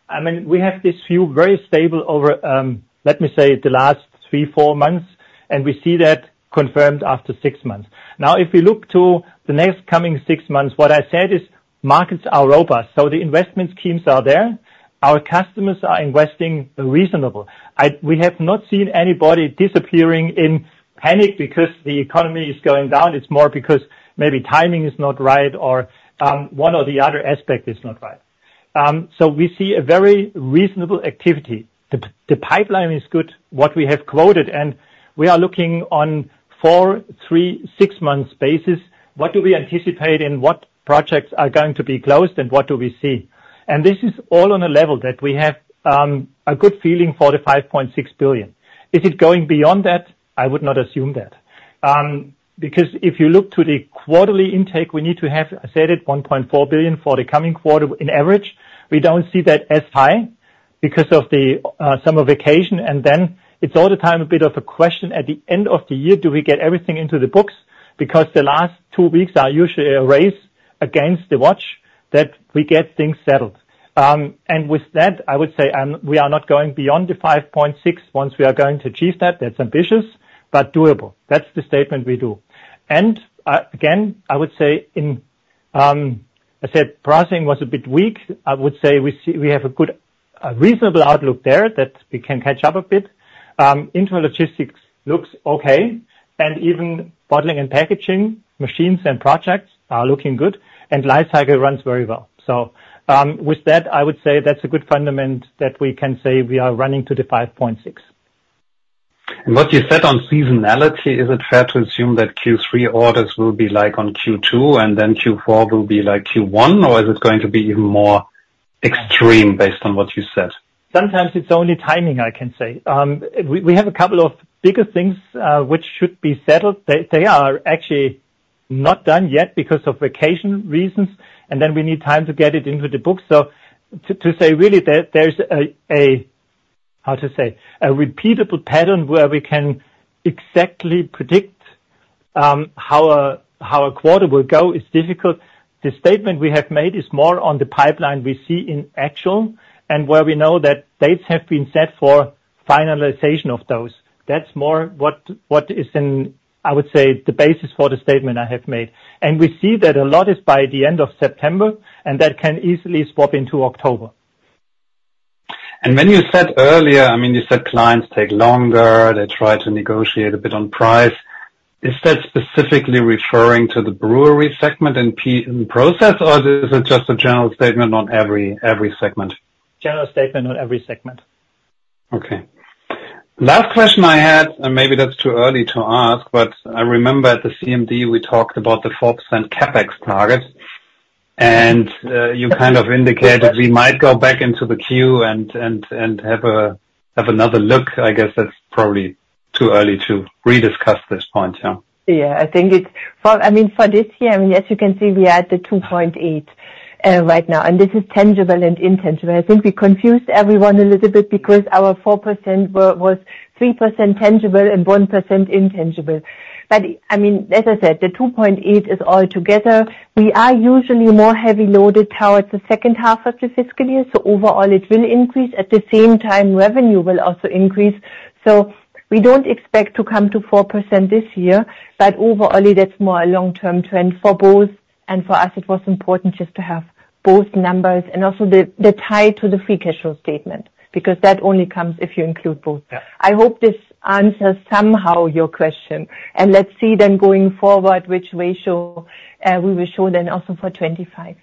I mean, we have this view very stable over, let me say, the last 3, 4 months, and we see that confirmed after 6 months. Now, if we look to the next coming 6 months, what I said is markets are robust, so the investment schemes are there. Our customers are investing reasonable. We have not seen anybody disappearing in panic because the economy is going down. It's more because maybe timing is not right or one or the other aspect is not right. So we see a very reasonable activity. The pipeline is good, what we have quoted, and we are looking on four, three, six months basis. What do we anticipate and what projects are going to be closed and what do we see? And this is all on a level that we have a good feeling for the 5.6 billion. Is it going beyond that? I would not assume that. Because if you look to the quarterly intake, we need to have, I said, it 1.4 billion for the coming quarter in average. We don't see that as high because of the summer vacation, and then it's all the time a bit of a question at the end of the year, do we get everything into the books? Because the last two weeks are usually a race against the watch that we get things settled. And with that, I would say, we are not going beyond the 5.6. Once we are going to achieve that, that's ambitious, but doable. That's the statement we do. And, again, I would say in, I said processing was a bit weak. I would say we see- we have a good, a reasonable outlook there, that we can catch up a bit. Internal logistics looks okay, and even bottling and packaging, machines and projects are looking good, and life cycle runs very well. With that, I would say that's a good fundament that we can say we are running to the 5.6. What you said on seasonality, is it fair to assume that Q3 orders will be like on Q2, and then Q4 will be like Q1, or is it going to be even more extreme based on what you said? Sometimes it's only timing, I can say. We have a couple of bigger things which should be settled. They are actually not done yet because of vacation reasons, and then we need time to get it into the book. So to say really that there's a how to say, a repeatable pattern where we can exactly predict how a quarter will go, is difficult. The statement we have made is more on the pipeline we see in actual, and where we know that dates have been set for finalization of those. That's more what is in, I would say, the basis for the statement I have made. And we see that a lot is by the end of September, and that can easily swap into October. When you said earlier, I mean, you said clients take longer, they try to negotiate a bit on price. Is that specifically referring to the brewery segment and process, or is it just a general statement on every segment? General statement on every segment. Okay. Last question I had, and maybe that's too early to ask, but I remember at the CMD, we talked about the 4% CapEx target, and you kind of indicated we might go back into the queue and have another look. I guess that's probably too early to rediscuss this point, yeah. Yeah, I think it's... For, I mean, for this year, I mean, as you can see, we are at the 2.8 right now, and this is tangible and intangible. I think we confused everyone a little bit because our 4% was 3% tangible and 1% intangible. But I mean, as I said, the 2.8 is all together. We are usually more heavy loaded towards the second half of the fiscal year, so overall, it will increase. At the same time, revenue will also increase. So we don't expect to come to 4% this year, but overall, that's more a long-term trend for both. And for us, it was important just to have both numbers and also the tie to the free cash flow statement, because that only comes if you include both. Yeah. I hope this answers somehow your question, and let's see then going forward, which ratio, we will show then also for 2025.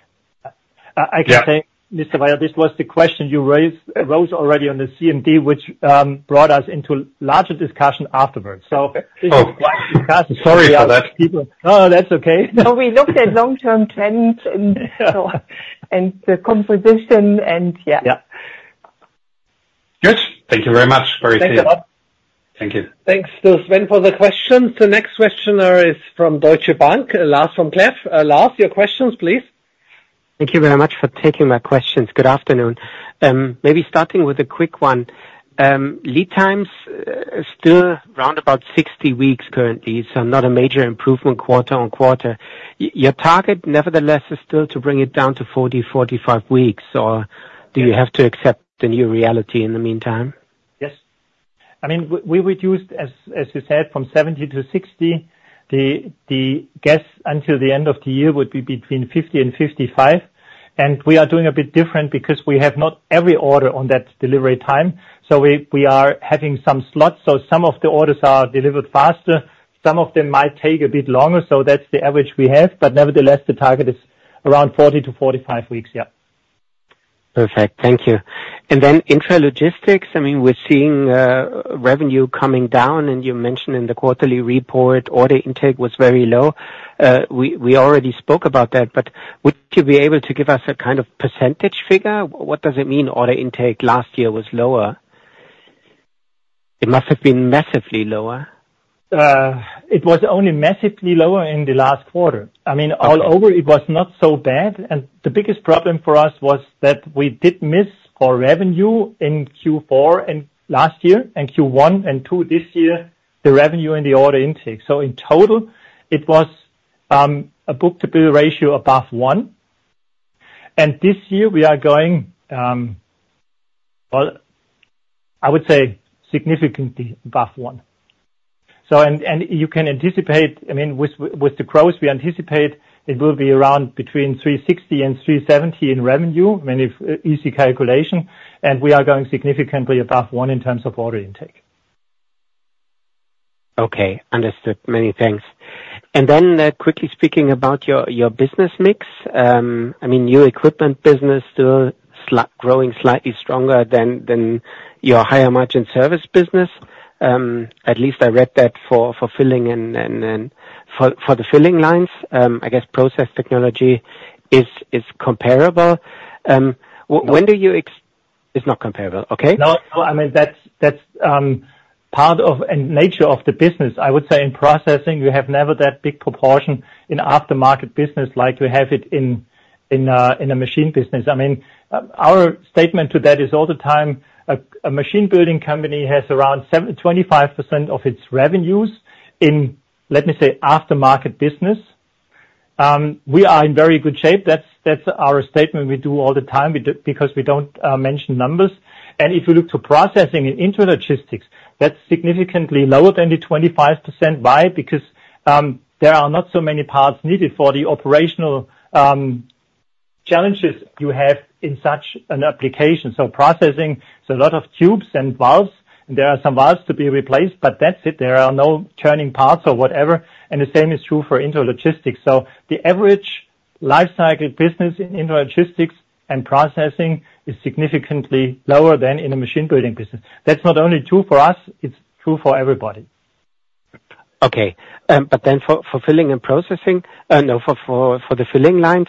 Yeah. I can say, Mr. Weier, this was the question you raised already on the CMD, which brought us into larger discussion afterwards. So- Okay. Oh, sorry for that. No, that's okay. We looked at long-term trends and the composition, and yeah. Yeah. Good. Thank you very much. Very clear. Thank you a lot. Thank you. Thanks to Sven for the questions. The next questioner is from Deutsche Bank, Lars vom Cleff. Lars, your questions, please. Thank you very much for taking my questions. Good afternoon. Maybe starting with a quick one. Lead times are still around about 60 weeks currently, so not a major improvement quarter-on-quarter. Your target, nevertheless, is still to bring it down to 40, 45 weeks, or do you have to accept the new reality in the meantime? Yes. I mean, we reduced, as you said, from 70 to 60. The guess until the end of the year would be between 50 and 55, and we are doing a bit different because we have not every order on that delivery time. So we are having some slots. So some of the orders are delivered faster, some of them might take a bit longer, so that's the average we have, but nevertheless, the target is around 40-45 weeks. Yeah. Perfect. Thank you. And then intralogistics, I mean, we're seeing, revenue coming down, and you mentioned in the quarterly report, order intake was very low. We already spoke about that, but would you be able to give us a kind of percentage figure? What does it mean, order intake last year was lower? It must have been massively lower. It was only massively lower in the last quarter. I mean- Okay. All over, it was not so bad, and the biggest problem for us was that we did miss our revenue in Q4 and last year, and Q1 and Q2 this year, the revenue and the order intake. So in total, it was a book-to-bill ratio above 1. And this year we are going, well, I would say significantly above 1. So and, and you can anticipate, I mean, with the growth we anticipate, it will be around between 3.60 and 3.70 in revenue, I mean, if easy calculation, and we are going significantly above 1 in terms of order intake. Okay, understood. Many thanks. And then, quickly speaking about your business mix. I mean, new equipment business still growing slightly stronger than your higher margin service business. At least I read that for filling and for the filling lines. I guess Process Technology is comparable. When do you ex- No. It's not comparable. Okay. No, no, I mean, that's part of and nature of the business. I would say in Processing, we have never that big proportion in aftermarket business like we have it in a machine business. I mean, our statement to that is all the time, a machine building company has around 25% of its revenues in, let me say, aftermarket business. We are in very good shape. That's our statement we do all the time, because we don't mention numbers. And if you look to Processing and Intralogistics, that's significantly lower than the 25%. Why? Because, there are not so many parts needed for the operational challenges you have in such an application. So Processing, there's a lot of tubes and valves, and there are some valves to be replaced, but that's it. There are no turning parts or whatever, and the same is true for intralogistics. So the average life cycle business in intralogistics and processing is significantly lower than in a machine building business. That's not only true for us, it's true for everybody. Okay. But then for filling and processing, no, for the filling lines,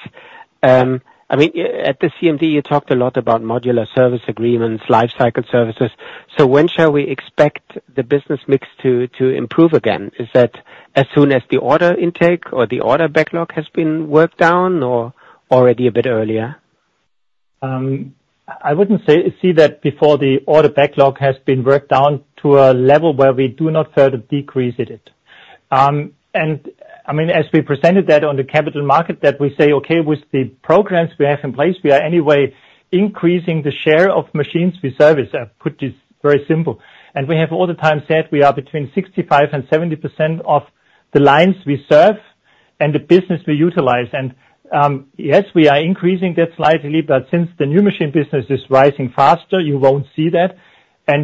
I mean, at the CMD, you talked a lot about modular service agreements, life cycle services. So when shall we expect the business mix to improve again? Is that as soon as the order intake or the order backlog has been worked down, or already a bit earlier? I wouldn't say, see that before the order backlog has been worked down to a level where we do not further decrease it. And I mean, as we presented that on the capital market, that we say, okay, with the programs we have in place, we are anyway increasing the share of machines we service. I put this very simple. We have all the time said we are between 65% and 70% of the lines we serve and the business we utilize. Yes, we are increasing that slightly, but since the new machine business is rising faster, you won't see that.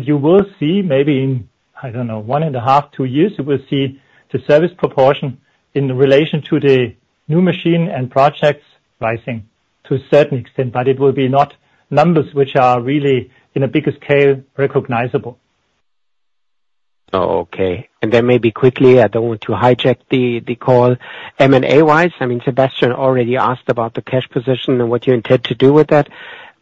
You will see maybe in, I don't know, 1.5-2 years, the service proportion in relation to the new machine and projects rising to a certain extent, but it will be not numbers which are really in a bigger scale, recognizable. Oh, okay. And then maybe quickly, I don't want to hijack the call. M&A wise, I mean, Sebastian already asked about the cash position and what you intend to do with that.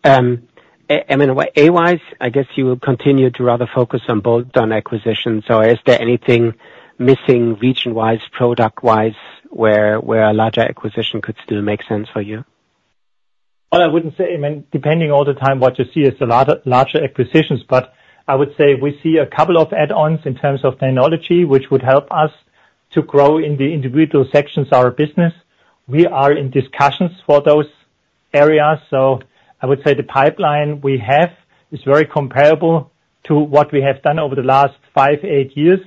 I mean, M&A wise, I guess you will continue to rather focus on bolt-on acquisitions. So is there anything missing region wise, product wise, where a larger acquisition could still make sense for you? Well, I wouldn't say, I mean, depending all the time, what you see is a lot of larger acquisitions, but I would say we see a couple of add-ons in terms of technology, which would help us to grow in the individual sections of our business. We are in discussions for those areas, so I would say the pipeline we have is very comparable to what we have done over the last five, eight years.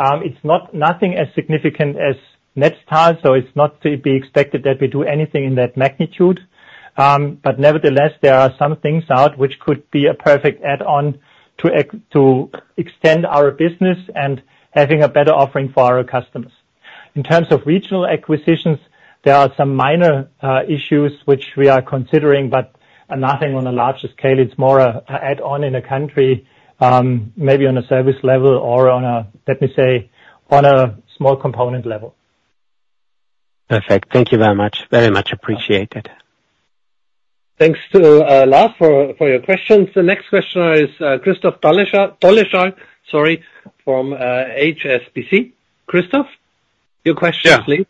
It's not nothing as significant as Netstal, so it's not to be expected that we do anything in that magnitude. But nevertheless, there are some things out which could be a perfect add-on to extend our business and having a better offering for our customers. In terms of regional acquisitions, there are some minor issues which we are considering, but nothing on a larger scale. It's more a add-on in a country, maybe on a service level or on a, let me say, on a small component level. Perfect. Thank you very much. Very much appreciated. Thanks to Lars for your questions. The next question is Christoph Dolleschal, Dolleschal, sorry, from HSBC. Christophe, your question, please.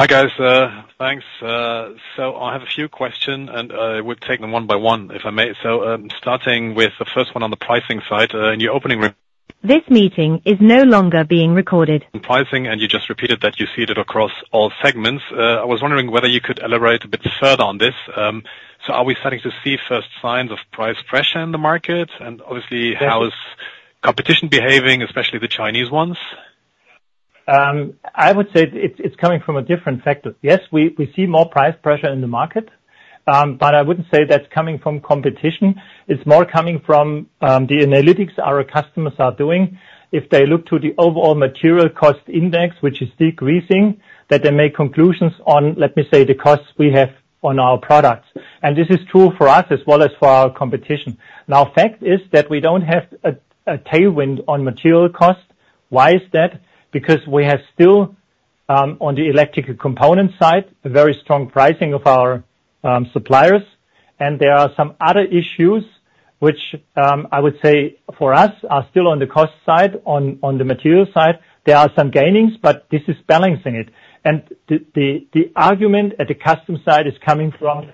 Yeah. Hi, guys, thanks. So I have a few question, and, we'll take them one by one, if I may. So, starting with the first one on the pricing side, in your opening re- This meeting is no longer being recorded. Pricing, and you just repeated that you see it across all segments. I was wondering whether you could elaborate a bit further on this. So are we starting to see first signs of price pressure in the market? And obviously- Yes. How is competition behaving, especially the Chinese ones? I would say it's coming from a different factor. Yes, we see more price pressure in the market, but I wouldn't say that's coming from competition. It's more coming from the analytics our customers are doing. If they look to the overall material cost index, which is decreasing, that they make conclusions on, let me say, the costs we have on our products. And this is true for us as well as for our competition. Now, fact is that we don't have a tailwind on material cost. Why is that? Because we have still on the electrical component side, a very strong pricing of our suppliers, and there are some other issues which I would say, for us, are still on the cost side. On the material side, there are some gains, but this is balancing it. And the argument at the customer side is coming from,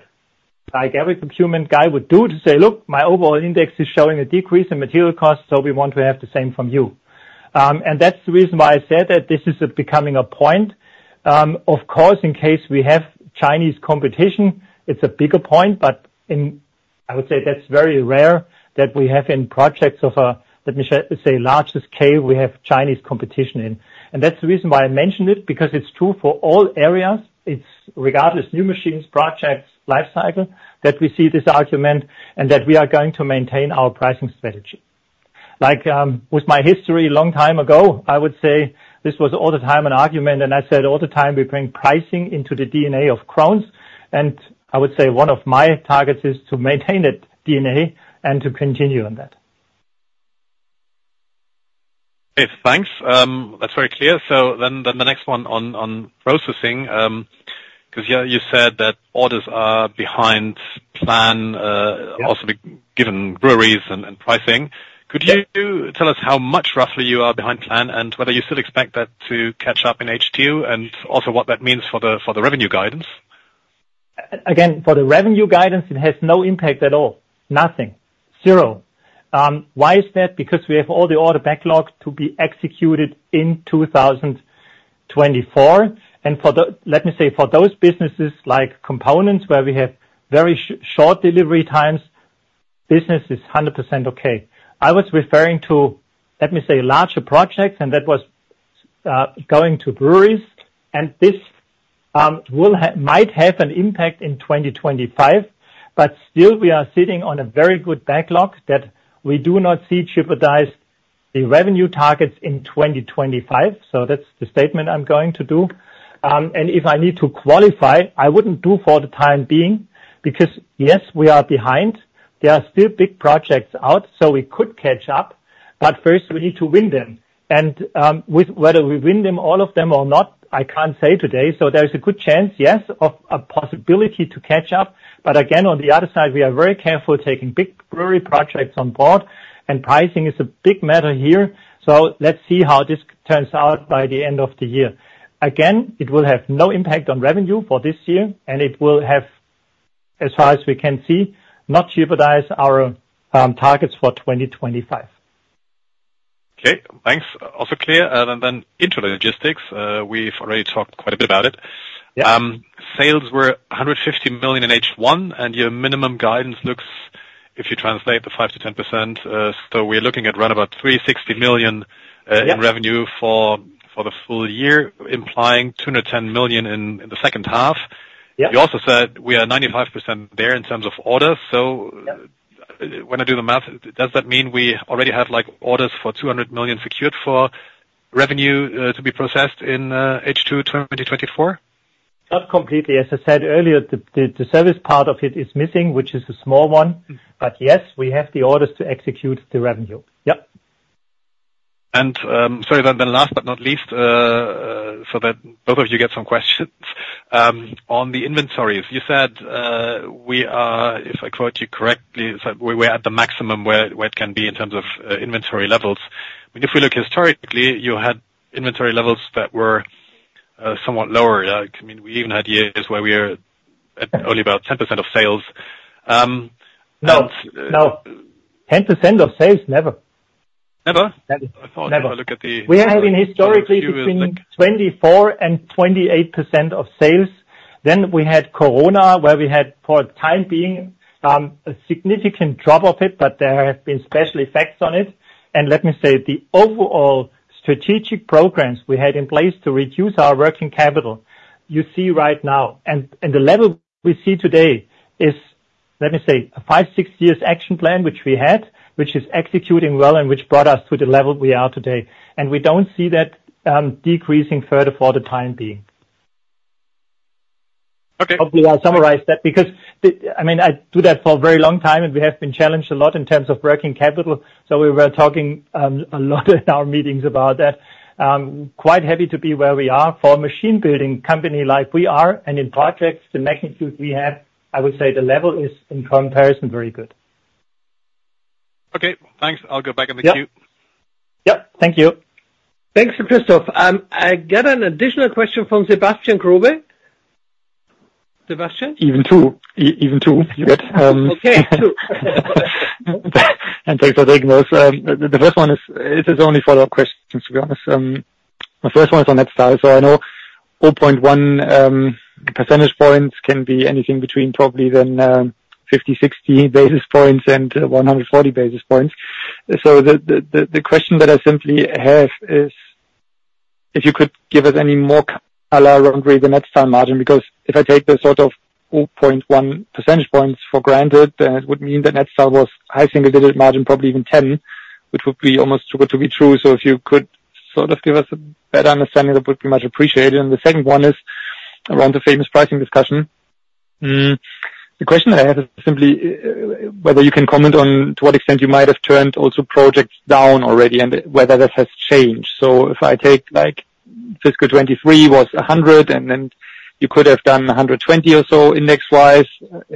like every human guy would do, to say: "Look, my overall index is showing a decrease in material costs, so we want to have the same from you." And that's the reason why I said that this is becoming a point. Of course, in case we have Chinese competition, it's a bigger point, but in, I would say that's very rare that we have in projects of, let me say, largest scale, we have Chinese competition in. And that's the reason why I mentioned it, because it's true for all areas. It's regardless, new machines, projects, life cycle, that we see this argument, and that we are going to maintain our pricing strategy. Like, with my history, long time ago, I would say this was all the time an argument, and I said all the time, we bring pricing into the DNA of Krones. I would say one of my targets is to maintain that DNA and to continue on that. Okay, thanks. That's very clear. So then the next one on processing, 'cause yeah, you said that orders are behind plan. Yeah... also given breweries and pricing. Yeah. Could you tell us how much, roughly, you are behind plan, and whether you still expect that to catch up in H2, and also what that means for the, for the revenue guidance? Again, for the revenue guidance, it has no impact at all. Nothing. Zero. Why is that? Because we have all the order backlogs to be executed in 2024. For the... Let me say, for those businesses, like components, where we have very short delivery times, business is 100% okay. I was referring to, let me say, larger projects, and that was going to breweries, and this might have an impact in 2025, but still we are sitting on a very good backlog that we do not see jeopardized the revenue targets in 2025. So that's the statement I'm going to do. And if I need to qualify, I wouldn't do for the time being, because yes, we are behind. There are still big projects out, so we could catch up, but first we need to win them. Whether we win them, all of them, or not, I can't say today. So there is a good chance, yes, of a possibility to catch up. But again, on the other side, we are very careful taking big brewery projects on board, and pricing is a big matter here. So let's see how this turns out by the end of the year. Again, it will have no impact on revenue for this year, and it will have, as far as we can see, not jeopardize our targets for 2025. Okay, thanks. Also clear. Then into the logistics, we've already talked quite a bit about it. Yeah. Sales were 150 million in H1, and your minimum guidance looks, if you translate the 5%-10%, so we're looking at around about 360 million- Yeah... in revenue for the full year, implying 210 million in the second half. Yeah. You also said we are 95% there in terms of orders. Yeah. So when I do the math, does that mean we already have, like, orders for 200 million secured for revenue to be processed in H2 2024? Not completely. As I said earlier, the service part of it is missing, which is a small one. But yes, we have the orders to execute the revenue. Yep. Sorry, then, then last but not least, so that both of you get some questions on the inventories. You said, we are, if I quote you correctly, "We're, we're at the maximum where, where it can be in terms of inventory levels." But if you look historically, you had inventory levels that were somewhat lower. Like, I mean, we even had years where we are at only about 10% of sales. No, no. 10% of sales? Never. Never? Never. I thought when I look at the- We are having historically between 24%-28% of sales. Then we had Corona, where we had, for the time being, a significant drop of it, but there have been special effects on it. And let me say, the overall strategic programs we had in place to reduce our working capital, you see right now. And the level we see today is, let me say, a 5-6 years action plan, which we had, which is executing well and which brought us to the level we are today. And we don't see that decreasing further for the time being. Okay. Hopefully, I summarized that because, I mean, I do that for a very long time, and we have been challenged a lot in terms of working capital, so we were talking a lot in our meetings about that. Quite happy to be where we are. For a machine-building company like we are, and in projects, the magnitude we have, I would say the level is, in comparison, very good. ... Okay, thanks. I'll go back in the queue. Yep. Yep, thank you. Thanks, Christoph. I get an additional question from Sebastian Growe. Sebastian? Even two. Even two, you get, Okay, two. Thanks for taking those. The first one is, this is only follow-up questions, to be honest. My first one is on that side. So I know 0.1 percentage points can be anything between probably then 50, 60 basis points and 140 basis points. So the question that I simply have is, if you could give us any more color around the Netstal margin, because if I take the sort of 0.1 percentage points for granted, then it would mean that Netstal was high single-digit margin, probably even 10, which would be almost too good to be true. So if you could sort of give us a better understanding, that would be much appreciated. And the second one is, around the famous pricing discussion. The question I have is simply whether you can comment on to what extent you might have turned also projects down already, and whether that has changed. So if I take, like, fiscal 2023 was 100, and then you could have done 120 or so index-wise,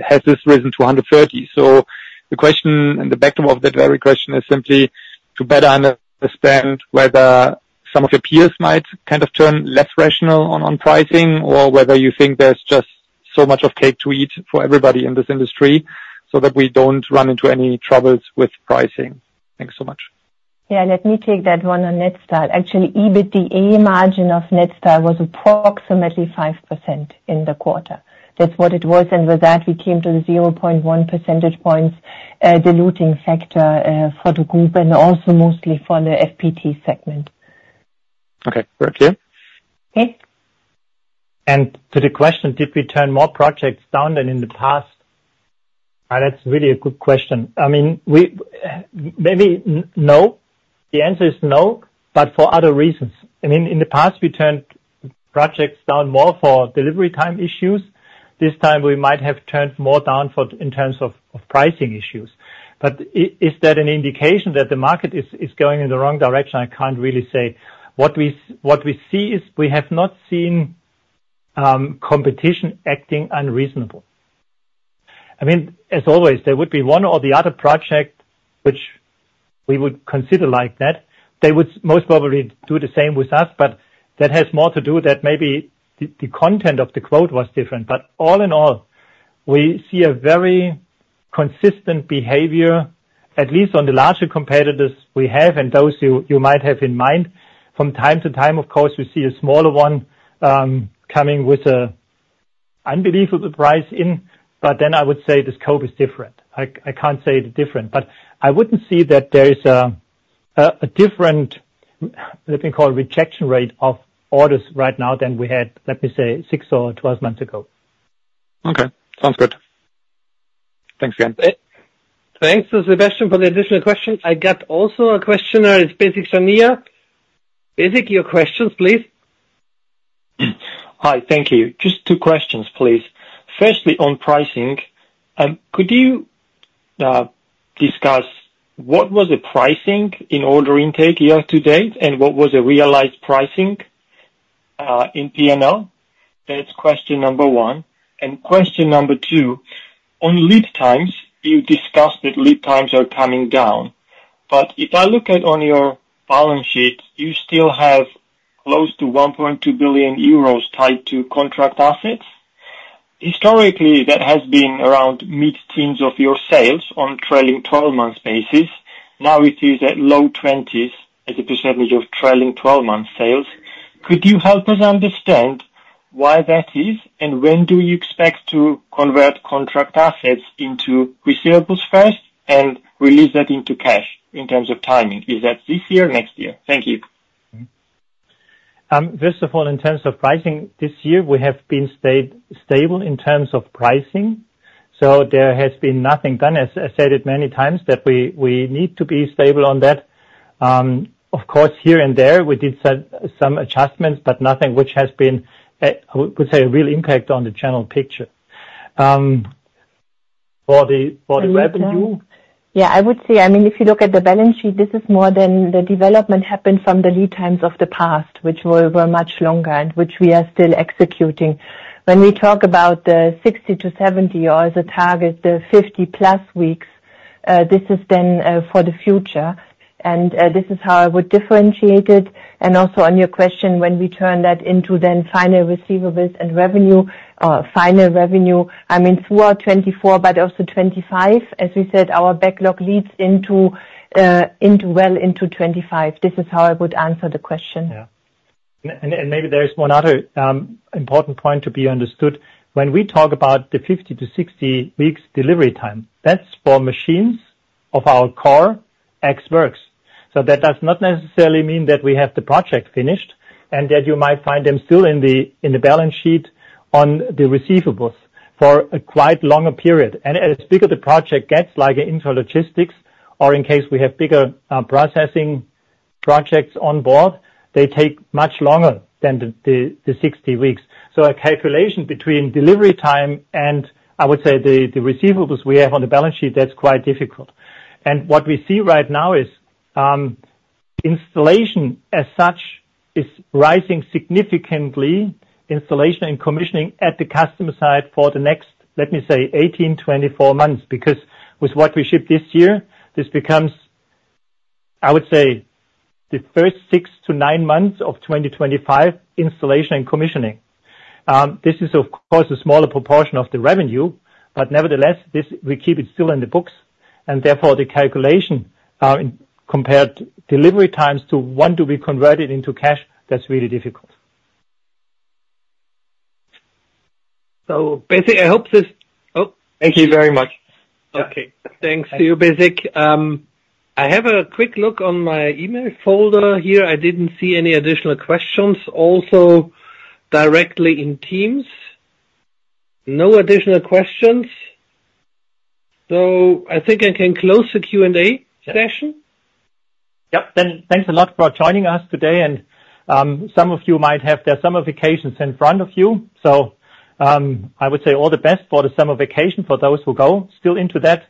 has this risen to 130? So the question and the backdrop of that very question is simply to better understand whether some of your peers might kind of turn less rational on, on pricing, or whether you think there's just so much of cake to eat for everybody in this industry, so that we don't run into any troubles with pricing. Thanks so much. Yeah, let me take that one on Netstal. Actually, EBITDA margin of Netstal was approximately 5% in the quarter. That's what it was, and with that, we came to the 0.1 percentage points, diluting factor, for the group and also mostly for the FPT segment. Okay, thank you. Okay. To the question, did we turn more projects down than in the past? That's really a good question. I mean, we maybe no. The answer is no, but for other reasons. I mean, in the past, we turned projects down more for delivery time issues. This time, we might have turned more down for, in terms of, of pricing issues. But is that an indication that the market is going in the wrong direction? I can't really say. What we see is, we have not seen competition acting unreasonable. I mean, as always, there would be one or the other project which we would consider like that. They would most probably do the same with us, but that has more to do with that maybe the content of the quote was different. But all in all, we see a very consistent behavior, at least on the larger competitors we have and those you might have in mind. From time to time, of course, we see a smaller one coming with an unbelievable price in, but then I would say the scope is different. I can't say it different, but I wouldn't see that there is a different, let me call, rejection rate of orders right now than we had, let me say, 6 or 12 months ago. Okay, sounds good. Thanks again. Thanks, Sebastian, for the additional question. I got also a questioner, it's Berenberg, Benjamin. Benjamin, your questions, please. Hi, thank you. Just two questions, please. Firstly, on pricing, could you discuss what was the pricing in order intake year to date, and what was the realized pricing in P&L? That's question number one. Question number two, on lead times, you discussed that lead times are coming down. But if I look at on your balance sheet, you still have close to 1.2 billion euros tied to contract assets. Historically, that has been around mid-teens of your sales on trailing twelve months basis. Now, it is at low twenties as a percentage of trailing twelve months sales. Could you help us understand why that is, and when do you expect to convert contract assets into receivables first and release that into cash in terms of timing? Is that this year or next year? Thank you. First of all, in terms of pricing, this year, we have been stayed stable in terms of pricing, so there has been nothing done. As I said it many times, that we need to be stable on that. Of course, here and there, we did some adjustments, but nothing which has been, I would say, a real impact on the general picture. For the revenue- Yeah, I would say, I mean, if you look at the balance sheet, this is more than the development happened from the lead times of the past, which were much longer and which we are still executing. When we talk about the 60-70 or the target, the 50+ weeks, this is then for the future, and this is how I would differentiate it. And also on your question, when we turn that into then final receivables and revenue, or final revenue, I mean, through our 2024, but also 2025, as we said, our backlog leads into well into 2025. This is how I would answer the question. Yeah. And maybe there is one other important point to be understood. When we talk about the 50-60 weeks delivery time, that's for machines of our core ex works. So that does not necessarily mean that we have the project finished, and that you might find them still in the balance sheet on the receivables for a quite longer period. And as bigger the project gets, like Intralogistics, or in case we have bigger Processing projects on board, they take much longer than the 60 weeks. So a calculation between delivery time and, I would say, the receivables we have on the balance sheet, that's quite difficult. And what we see right now is installation as such is rising significantly, installation and commissioning at the customer side for the next, let me say, 18-24 months. Because with what we ship this year, this becomes, I would say, the first six to nine months of 2025, installation and commissioning. This is, of course, a smaller proportion of the revenue, but nevertheless, this- we keep it still in the books, and therefore the calculation, compared delivery times to when do we convert it into cash, that's really difficult. So basically, I hope this... Oh! Thank you very much. Okay. Thanks to you, Benjamin. I have a quick look on my email folder here. I didn't see any additional questions, also directly in Teams. No additional questions, so I think I can close the Q&A session. Yep. Then thanks a lot for joining us today, and, some of you might have the summer vacations in front of you, so, I would say all the best for the summer vacation for those who go still into that.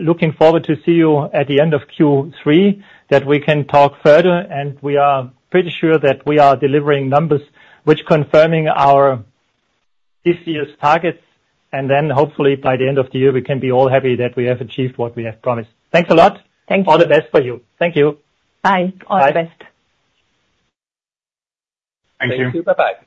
Looking forward to see you at the end of Q3, that we can talk further, and we are pretty sure that we are delivering numbers which confirming our this year's targets, and then hopefully by the end of the year, we can be all happy that we have achieved what we have promised. Thanks a lot. Thank you. All the best for you. Thank you. Bye. Bye. All the best. Thank you. Thank you, bye-bye.